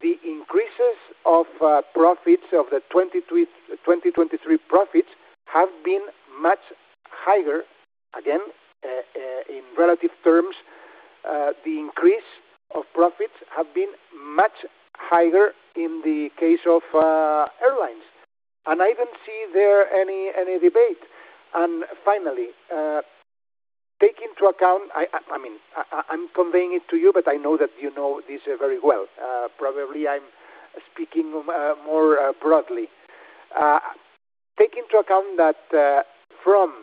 the increases of profits of the 2023 profits have been much higher. Again, in relative terms, the increase of profits have been much higher in the case of airlines, and I don't see there any debate. And finally, take into account, I mean, I'm conveying it to you, but I know that you know this very well. Probably I'm speaking more broadly. Take into account that from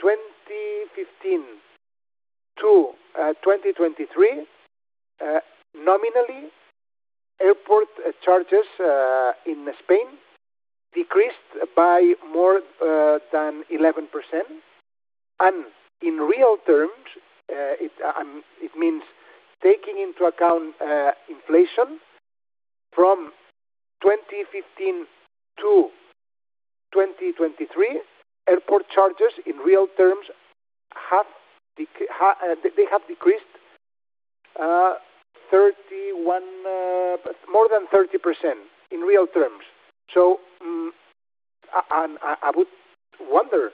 2015 to 2023, nominally, airport charges in Spain decreased by more than 11%. And in real terms, it means taking into account inflation from 2015 to 2023. Airport charges in real terms have decreased 31%, more than 30%, in real terms. So, I would wonder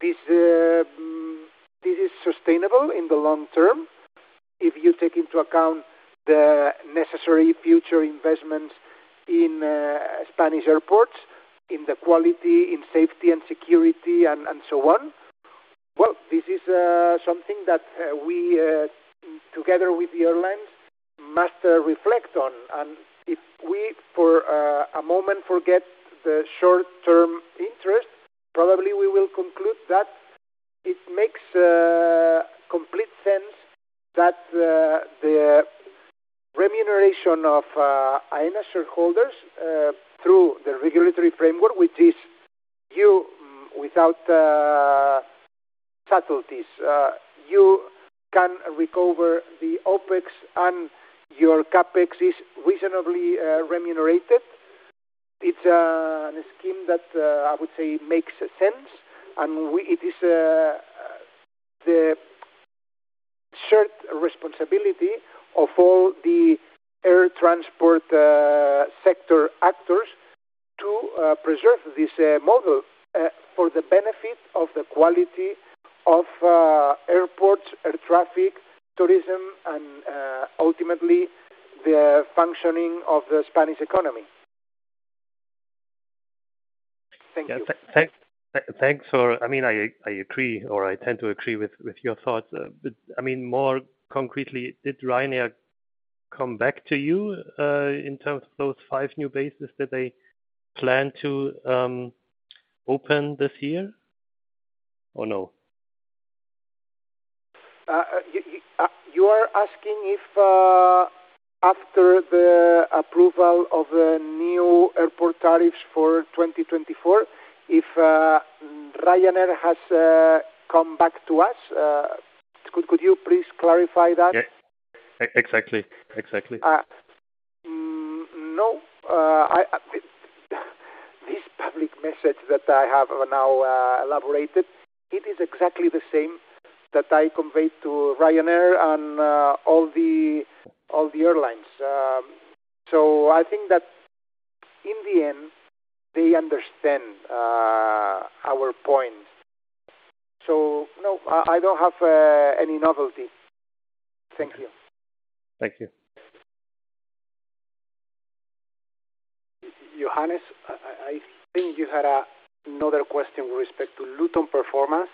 if this is sustainable in the long term, if you take into account the necessary future investments in Spanish airports, in the quality, in safety and security, and so on? Well, this is something that we together with the airlines must reflect on. And if we, for a moment, forget the short-term interest, probably we will conclude that it makes complete sense that the remuneration of Aena shareholders through the regulatory framework, which is you, without subtleties, you can recover the OpEx and your CapEx is reasonably remunerated. It's a scheme that I would say makes sense, and it is the shared responsibility of all the air transport sector actors to preserve this model for the benefit of the quality of airports, air traffic, tourism, and ultimately the functioning of the Spanish economy. Thank you. Thanks. I mean, I agree, or I tend to agree with your thoughts. But I mean, more concretely, did Ryanair come back to you in terms of those five new bases that they plan to open this year, or no? You are asking if, after the approval of the new airport tariffs for 2024, if Ryanair has come back to us? Could you please clarify that? Yeah. Exactly, exactly. No, this public message that I have now elaborated, it is exactly the same that I conveyed to Ryanair and all the airlines. So I think that in the end, they understand our point. So, no, I don't have any novelty. Thank you. Thank you. Johannes, I think you had another question with respect to Luton performance.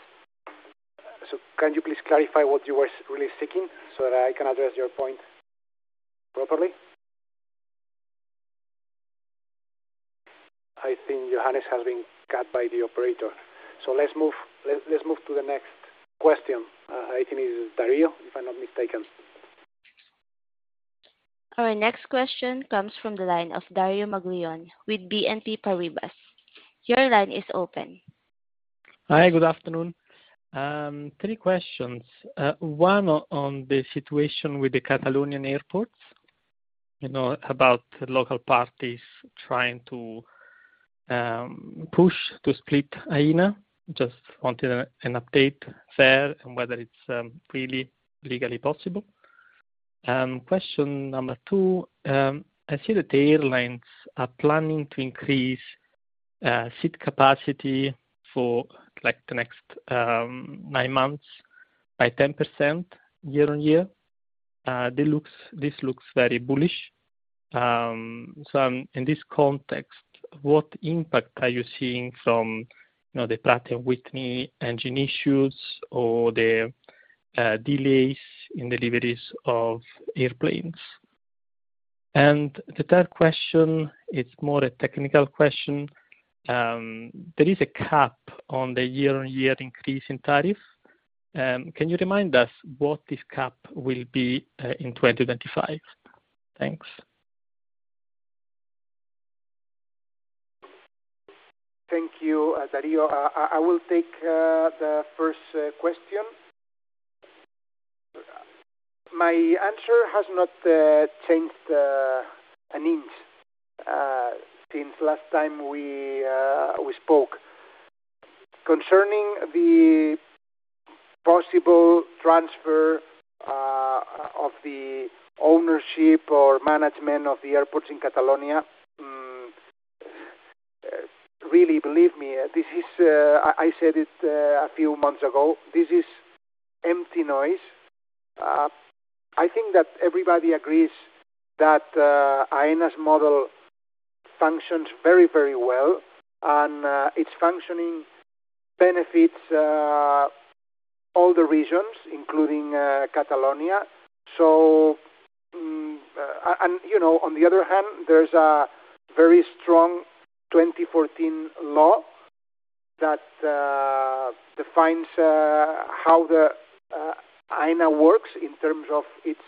So can you please clarify what you were really seeking, so that I can address your point properly? I think Johannes has been cut by the operator. So let's move to the next question. I think it is Dario, if I'm not mistaken. Our next question comes from the line of Dario Maglione with BNP Paribas. Your line is open. Hi, good afternoon. Three questions. One on the situation with the Catalan airports, you know, about the local parties trying to push to split Aena. Just wanted an update there, and whether it's really legally possible. Question number two, I see that the airlines are planning to increase seat capacity for, like, the next nine months by 10% year-on-year. This looks very bullish. So in this context, what impact are you seeing from, you know, the Pratt & Whitney engine issues or the delays in deliveries of airplanes? And the third question, it's more a technical question. There is a cap on the year-on-year increase in tariff. Can you remind us what this cap will be in 2025? Thanks. Thank you, Dario. I will take the first question. My answer has not changed an inch since last time we spoke. Concerning the possible transfer of the ownership or management of the airports in Catalonia, really, believe me, this is, I said it a few months ago, this is empty noise. I think that everybody agrees that Aena's model functions very, very well, and its functioning benefits all the regions, including Catalonia. So, and, you know, on the other hand, there's a very strong 2014 law that defines how Aena works in terms of its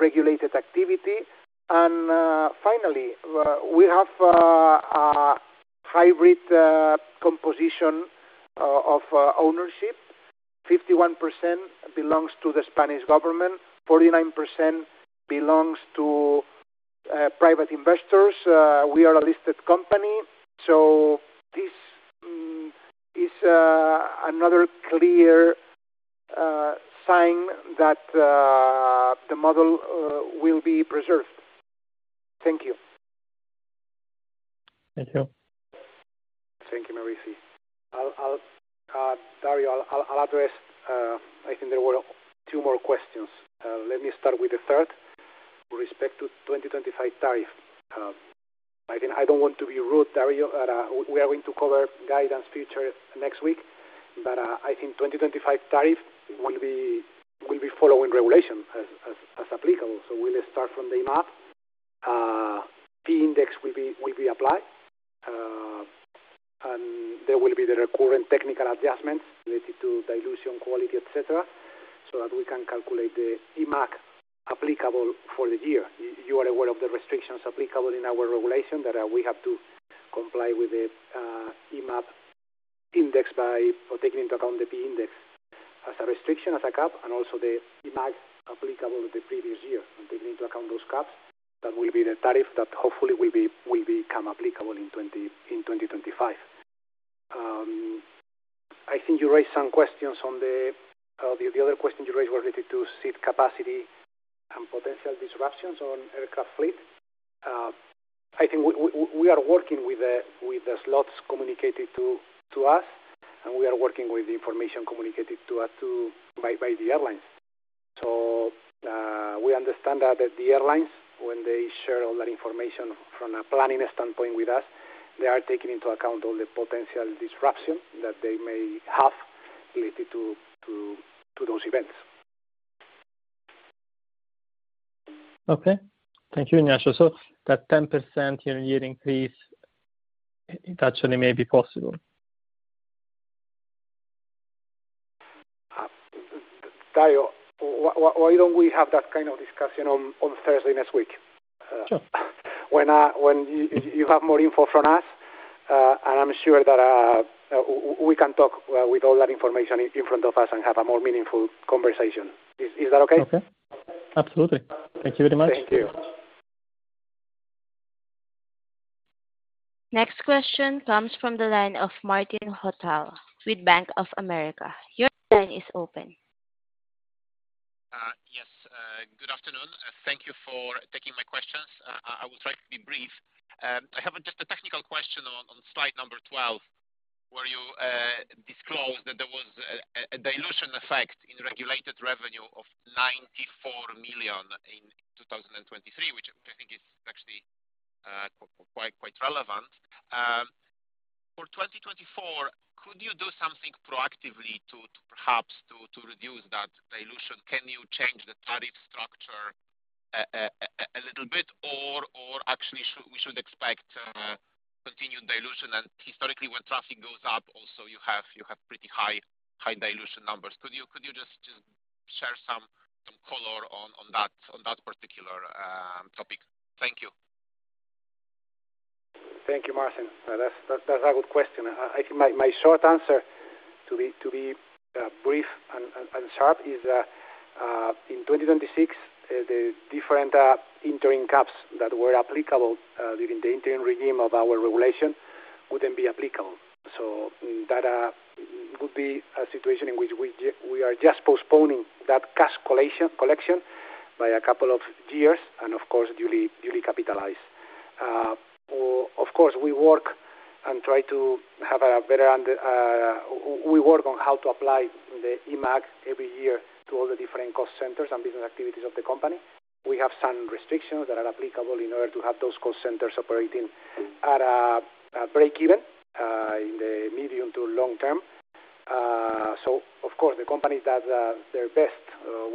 regulated activity. And finally, we have a hybrid composition of ownership. 51% belongs to the Spanish government, 49% belongs to private investors. We are a listed company, so this is another clear sign that the model will be preserved. Thank you. Thank you. Thank you, Maurici. Dario, I'll address, I think there were two more questions. Let me start with the third.... with respect to 2025 tariff, I think I don't want to be rude, Dario, but we are going to cover guidance future next week. But I think 2025 tariff will be following regulation as applicable. So we'll start from IMAP, the index will be applied, and there will be the recurrent technical adjustments related to dilution, quality, et cetera, so that we can calculate the IMAAJ applicable for the year. You are aware of the restrictions applicable in our regulation that we have to comply with the IMAP index by taking into account the P index as a restriction, as a cap, and also the IMAAJ applicable the previous year. And taking into account those caps, that will be the tariff that hopefully will be- will become applicable in 2025. I think you raised some questions on the other questions you raised were related to seat capacity and potential disruptions on aircraft fleet. I think we are working with the slots communicated to us, and we are working with the information communicated to us by the airlines. So, we understand that the airlines, when they share all that information from a planning standpoint with us, they are taking into account all the potential disruption that they may have related to those events. Okay. Thank you, Ignacio. So that 10% year-on-year increase, it actually may be possible? Dario, why don't we have that kind of discussion on Thursday next week? Sure. When you have more info from us, and I'm sure that we can talk with all that information in front of us and have a more meaningful conversation. Is that okay? Okay. Absolutely. Thank you very much. Thank you. Next question comes from the line of Marcin Wojtal with Bank of America. Your line is open. Yes. Good afternoon, and thank you for taking my questions. I will try to be brief. I have just a technical question on slide number 12, where you disclosed that there was a dilution effect in regulated revenue of 94 million in 2023, which I think is actually quite relevant. For 2024, could you do something proactively to perhaps reduce that dilution? Can you change the tariff structure a little bit? Or actually, should we expect continued dilution? And historically, when traffic goes up, also you have pretty high dilution numbers. Could you just share some color on that particular topic? Thank you. Thank you, Marcin. That's, that's a good question. I think my, my short answer to be, to be brief and sharp is that in 2026 the different interim caps that were applicable during the interim regime of our regulation would then be applicable. So that would be a situation in which we are just postponing that cash collection by a couple of years, and of course, duly capitalized. Or of course, we work and try to have a better we work on how to apply the IMAAJ every year to all the different cost centers and business activities of the company. We have some restrictions that are applicable in order to have those cost centers operating at a breakeven in the medium to long term. So of course, the company does their best;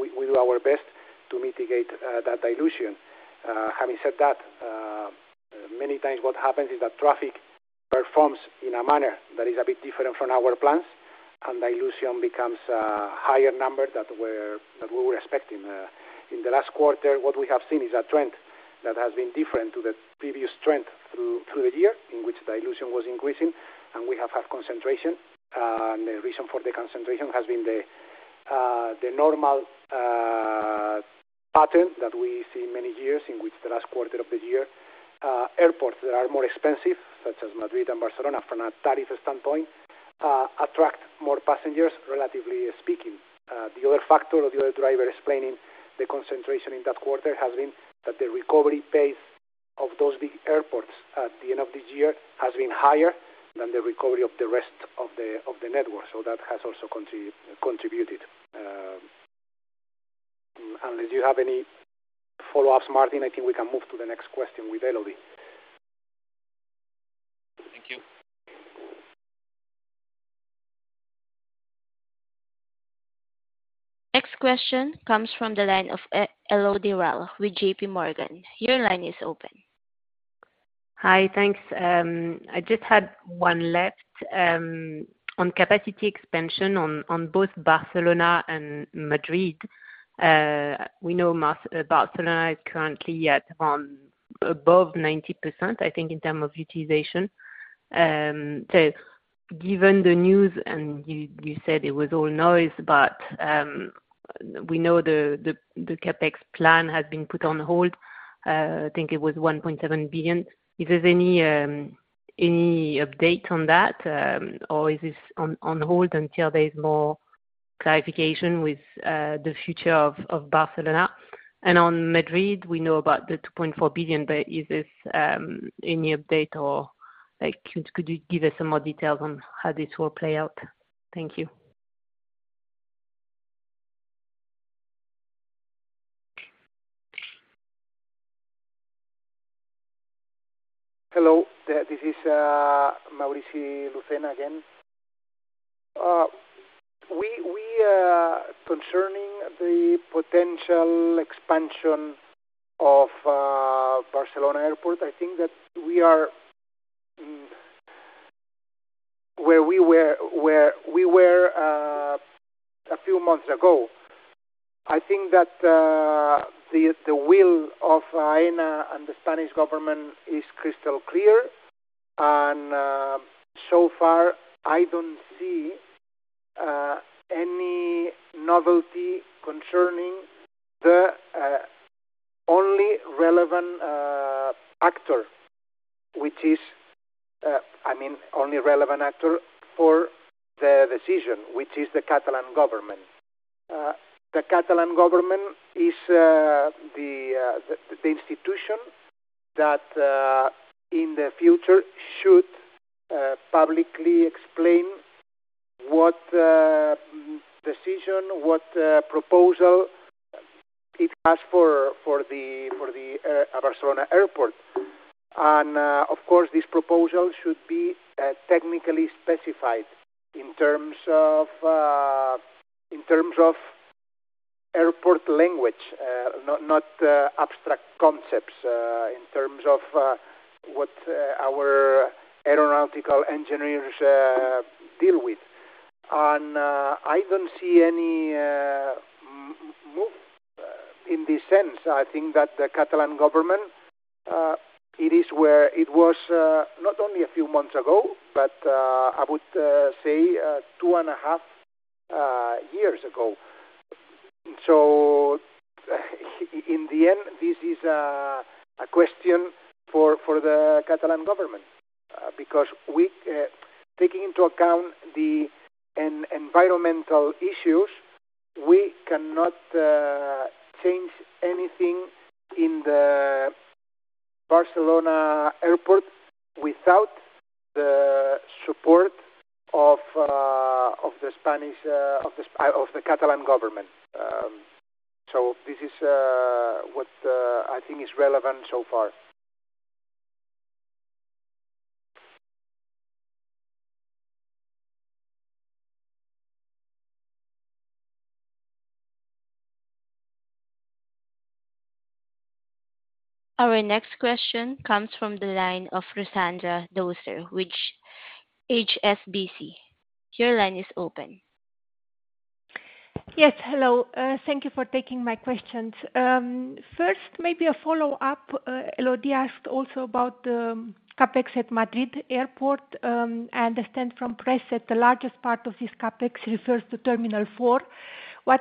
we do our best to mitigate that dilution. Having said that, many times what happens is that traffic performs in a manner that is a bit different from our plans, and dilution becomes a higher number than we were expecting. In the last quarter, what we have seen is a trend that has been different to the previous trend through the year, in which dilution was increasing and we have had concentration. The reason for the concentration has been the normal pattern that we see many years in which the last quarter of the year, airports that are more expensive, such as Madrid and Barcelona, from a tariff standpoint, attract more passengers, relatively speaking. The other factor or the other driver explaining the concentration in that quarter has been that the recovery pace of those big airports at the end of this year has been higher than the recovery of the rest of the network. So that has also contributed. Unless you have any follow-ups, Marcin, I think we can move to the next question with Elodie. Thank you. Next question comes from the line of Elodie Rall with JPMorgan. Your line is open. Hi, thanks. I just had one left on capacity expansion on both Barcelona and Madrid. We know Barcelona is currently at above 90%, I think, in terms of utilization. So given the news, and you said it was all noise, but we know the CapEx plan has been put on hold, I think it was 1.7 billion. Is there any update on that, or is this on hold until there is more clarification with the future of Barcelona? And on Madrid, we know about the 2.4 billion, but is this any update or, like, could you give us some more details on how this will play out? Thank you. Hello, this is Maurici Lucena again. We concerning the potential expansion of Barcelona Airport, I think that we are where we were a few months ago. I think that the will of Aena and the Spanish government is crystal clear, and so far, I don't see any novelty concerning the only relevant actor, which is, I mean, only relevant actor for the decision, which is the Catalan government. The Catalan government is the institution that in the future should publicly explain what decision, what proposal it has for the Barcelona Airport. Of course, this proposal should be technically specified in terms of airport language, not abstract concepts, in terms of what our aeronautical engineers deal with. I don't see any move in this sense. I think that the Catalan government it is where it was, not only a few months ago, but I would say two and a half years ago. So in the end, this is a question for the Catalan government, because we, taking into account the environmental issues, we cannot change anything in the Barcelona Airport without the support of the Catalan government. So this is what I think is relevant so far. Our next question comes from the line of Ruxandra Doser with HSBC. Your line is open. Yes, hello. Thank you for taking my questions. First, maybe a follow-up. Elodie asked also about the CapEx at Madrid Airport. I understand from press that the largest part of this CapEx refers to Terminal 4. What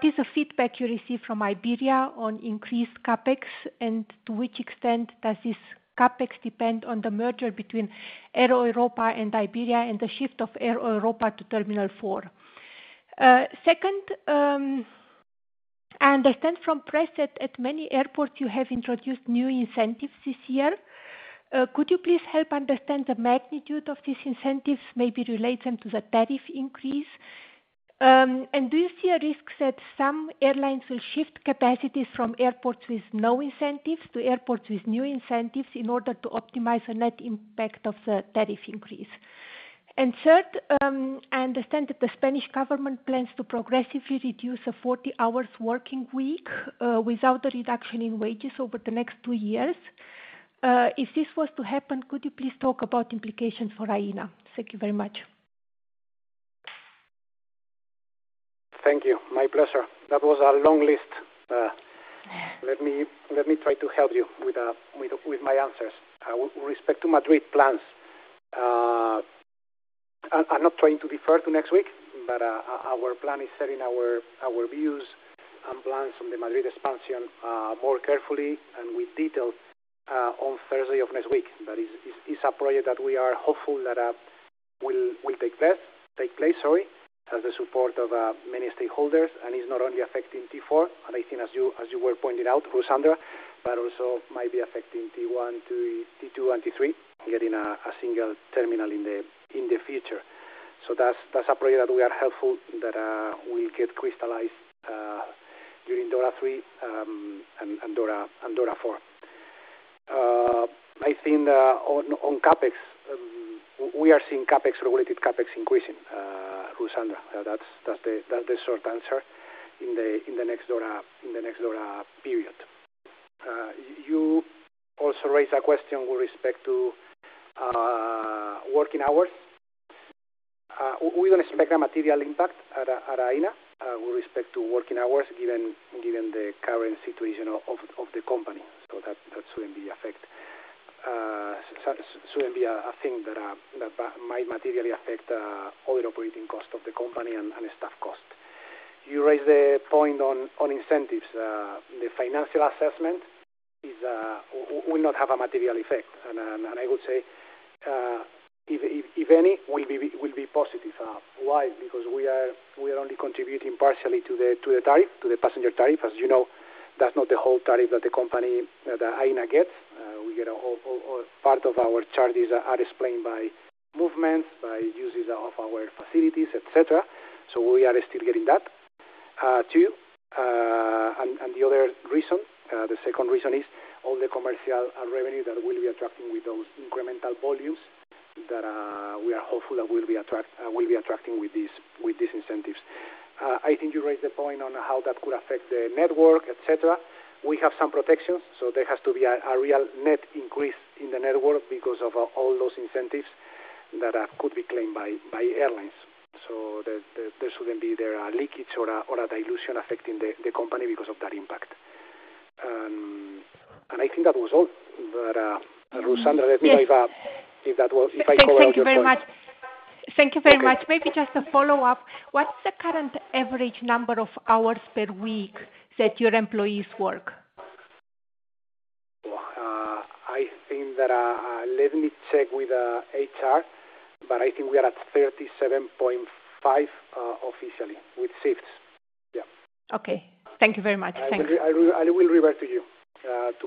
is the feedback you receive from Iberia on increased CapEx, and to which extent does this CapEx depend on the merger between Air Europa and Iberia and the shift of Air Europa to Terminal 4? Second, I understand from press that at many airports you have introduced new incentives this year. Could you please help understand the magnitude of these incentives, maybe relate them to the tariff increase? And do you see a risk that some airlines will shift capacities from airports with no incentives to airports with new incentives in order to optimize the net impact of the tariff increase? Third, I understand that the Spanish government plans to progressively reduce the 40 hours working week, without a reduction in wages over the next two years. If this was to happen, could you please talk about implications for Aena? Thank you very much. Thank you. My pleasure. That was a long list. Let me try to help you with my answers. With respect to Madrid plans, I'm not trying to defer to next week, but our plan is setting our views and plans on the Madrid expansion more carefully and with detail on Thursday of next week. But it's a project that we are hopeful that will take place. Sorry, it has the support of many stakeholders, and is not only affecting T4, and I think as you were pointing out, Ruxandra, but also might be affecting T1 to T2 and T3, getting a single terminal in the future. So that's a project that we are hopeful that will get crystallized during DORA 3 and DORA 4. I think on CapEx we are seeing CapEx-related CapEx increasing, Ruxandra. That's the short answer in the next DORA period. You also raised a question with respect to working hours. We don't expect a material impact at Aena with respect to working hours, given the current situation of the company. So that shouldn't affect our operating costs of the company and staff costs. You raised the point on incentives. The financial assessment will not have a material effect, and I would say, if any, will be positive. Why? Because we are only contributing partially to the tariff, to the passenger tariff, as you know.... That's not the whole tariff that the company, that Aena gets. We get a part of our charges are explained by movements, by uses of our facilities, et cetera. So we are still getting that, too. And the other reason, the second reason is all the commercial revenue that we'll be attracting with those incremental volumes that we are hopeful that we'll be attracting with these incentives. I think you raised the point on how that could affect the network, et cetera. We have some protections, so there has to be a real net increase in the network because of all those incentives that could be claimed by airlines. So, there shouldn't be leakages or a dilution affecting the company because of that impact. And I think that was all. But, Ruxandra, let me know if Yes. If that was, if I covered all your points. Thank you very much. Thank you very much. Okay. Maybe just a follow-up. What's the current average number of hours per week that your employees work? I think that, let me check with HR, but I think we are at 37.5, officially with shifts. Yeah. Okay. Thank you very much. Thank you. I will revert to you. Perfect.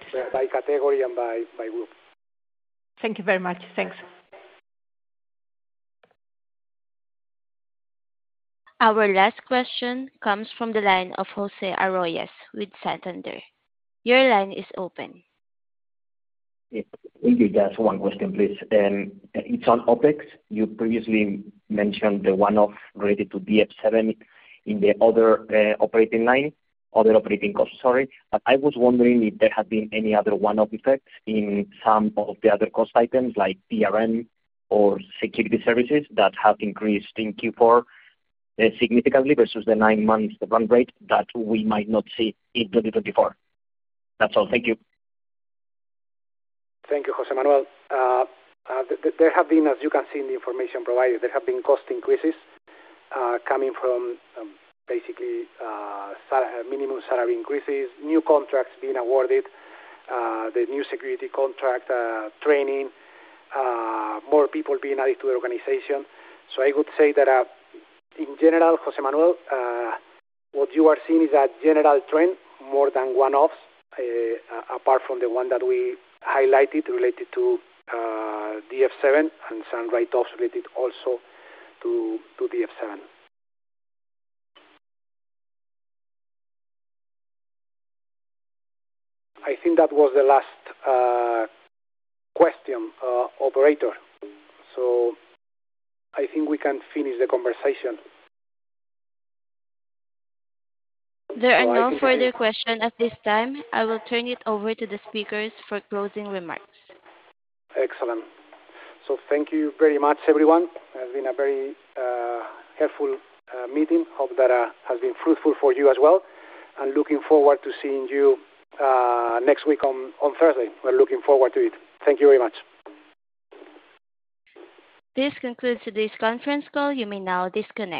to confirm by category and by, by group. Thank you very much. Thanks. Our last question comes from the line of José Arroyas with Santander. Your line is open. Yeah. Maybe just one question, please. It's on OpEx. You previously mentioned the one-off related to DF7 in the other, operating line, other operating costs, sorry. But I was wondering if there had been any other one-off effects in some of the other cost items like PRM or security services that have increased in Q4, significantly versus the nine months run rate that we might not see in 2024? That's all. Thank you. Thank you, José Manuel. There have been, as you can see in the information provided, cost increases coming from basically minimum salary increases, new contracts being awarded, the new security contract, training, more people being added to the organization. So I would say that in general, José Manuel, what you are seeing is a general trend, more than one-offs, apart from the one that we highlighted related to DF7 and some write-offs related also to DF7. I think that was the last question, operator. So I think we can finish the conversation. There are no further questions at this time. I will turn it over to the speakers for closing remarks. Excellent. Thank you very much, everyone. It has been a very helpful meeting. Hope that has been fruitful for you as well, and looking forward to seeing you next week on Thursday. We're looking forward to it. Thank you very much. This concludes today's conference call. You may now disconnect.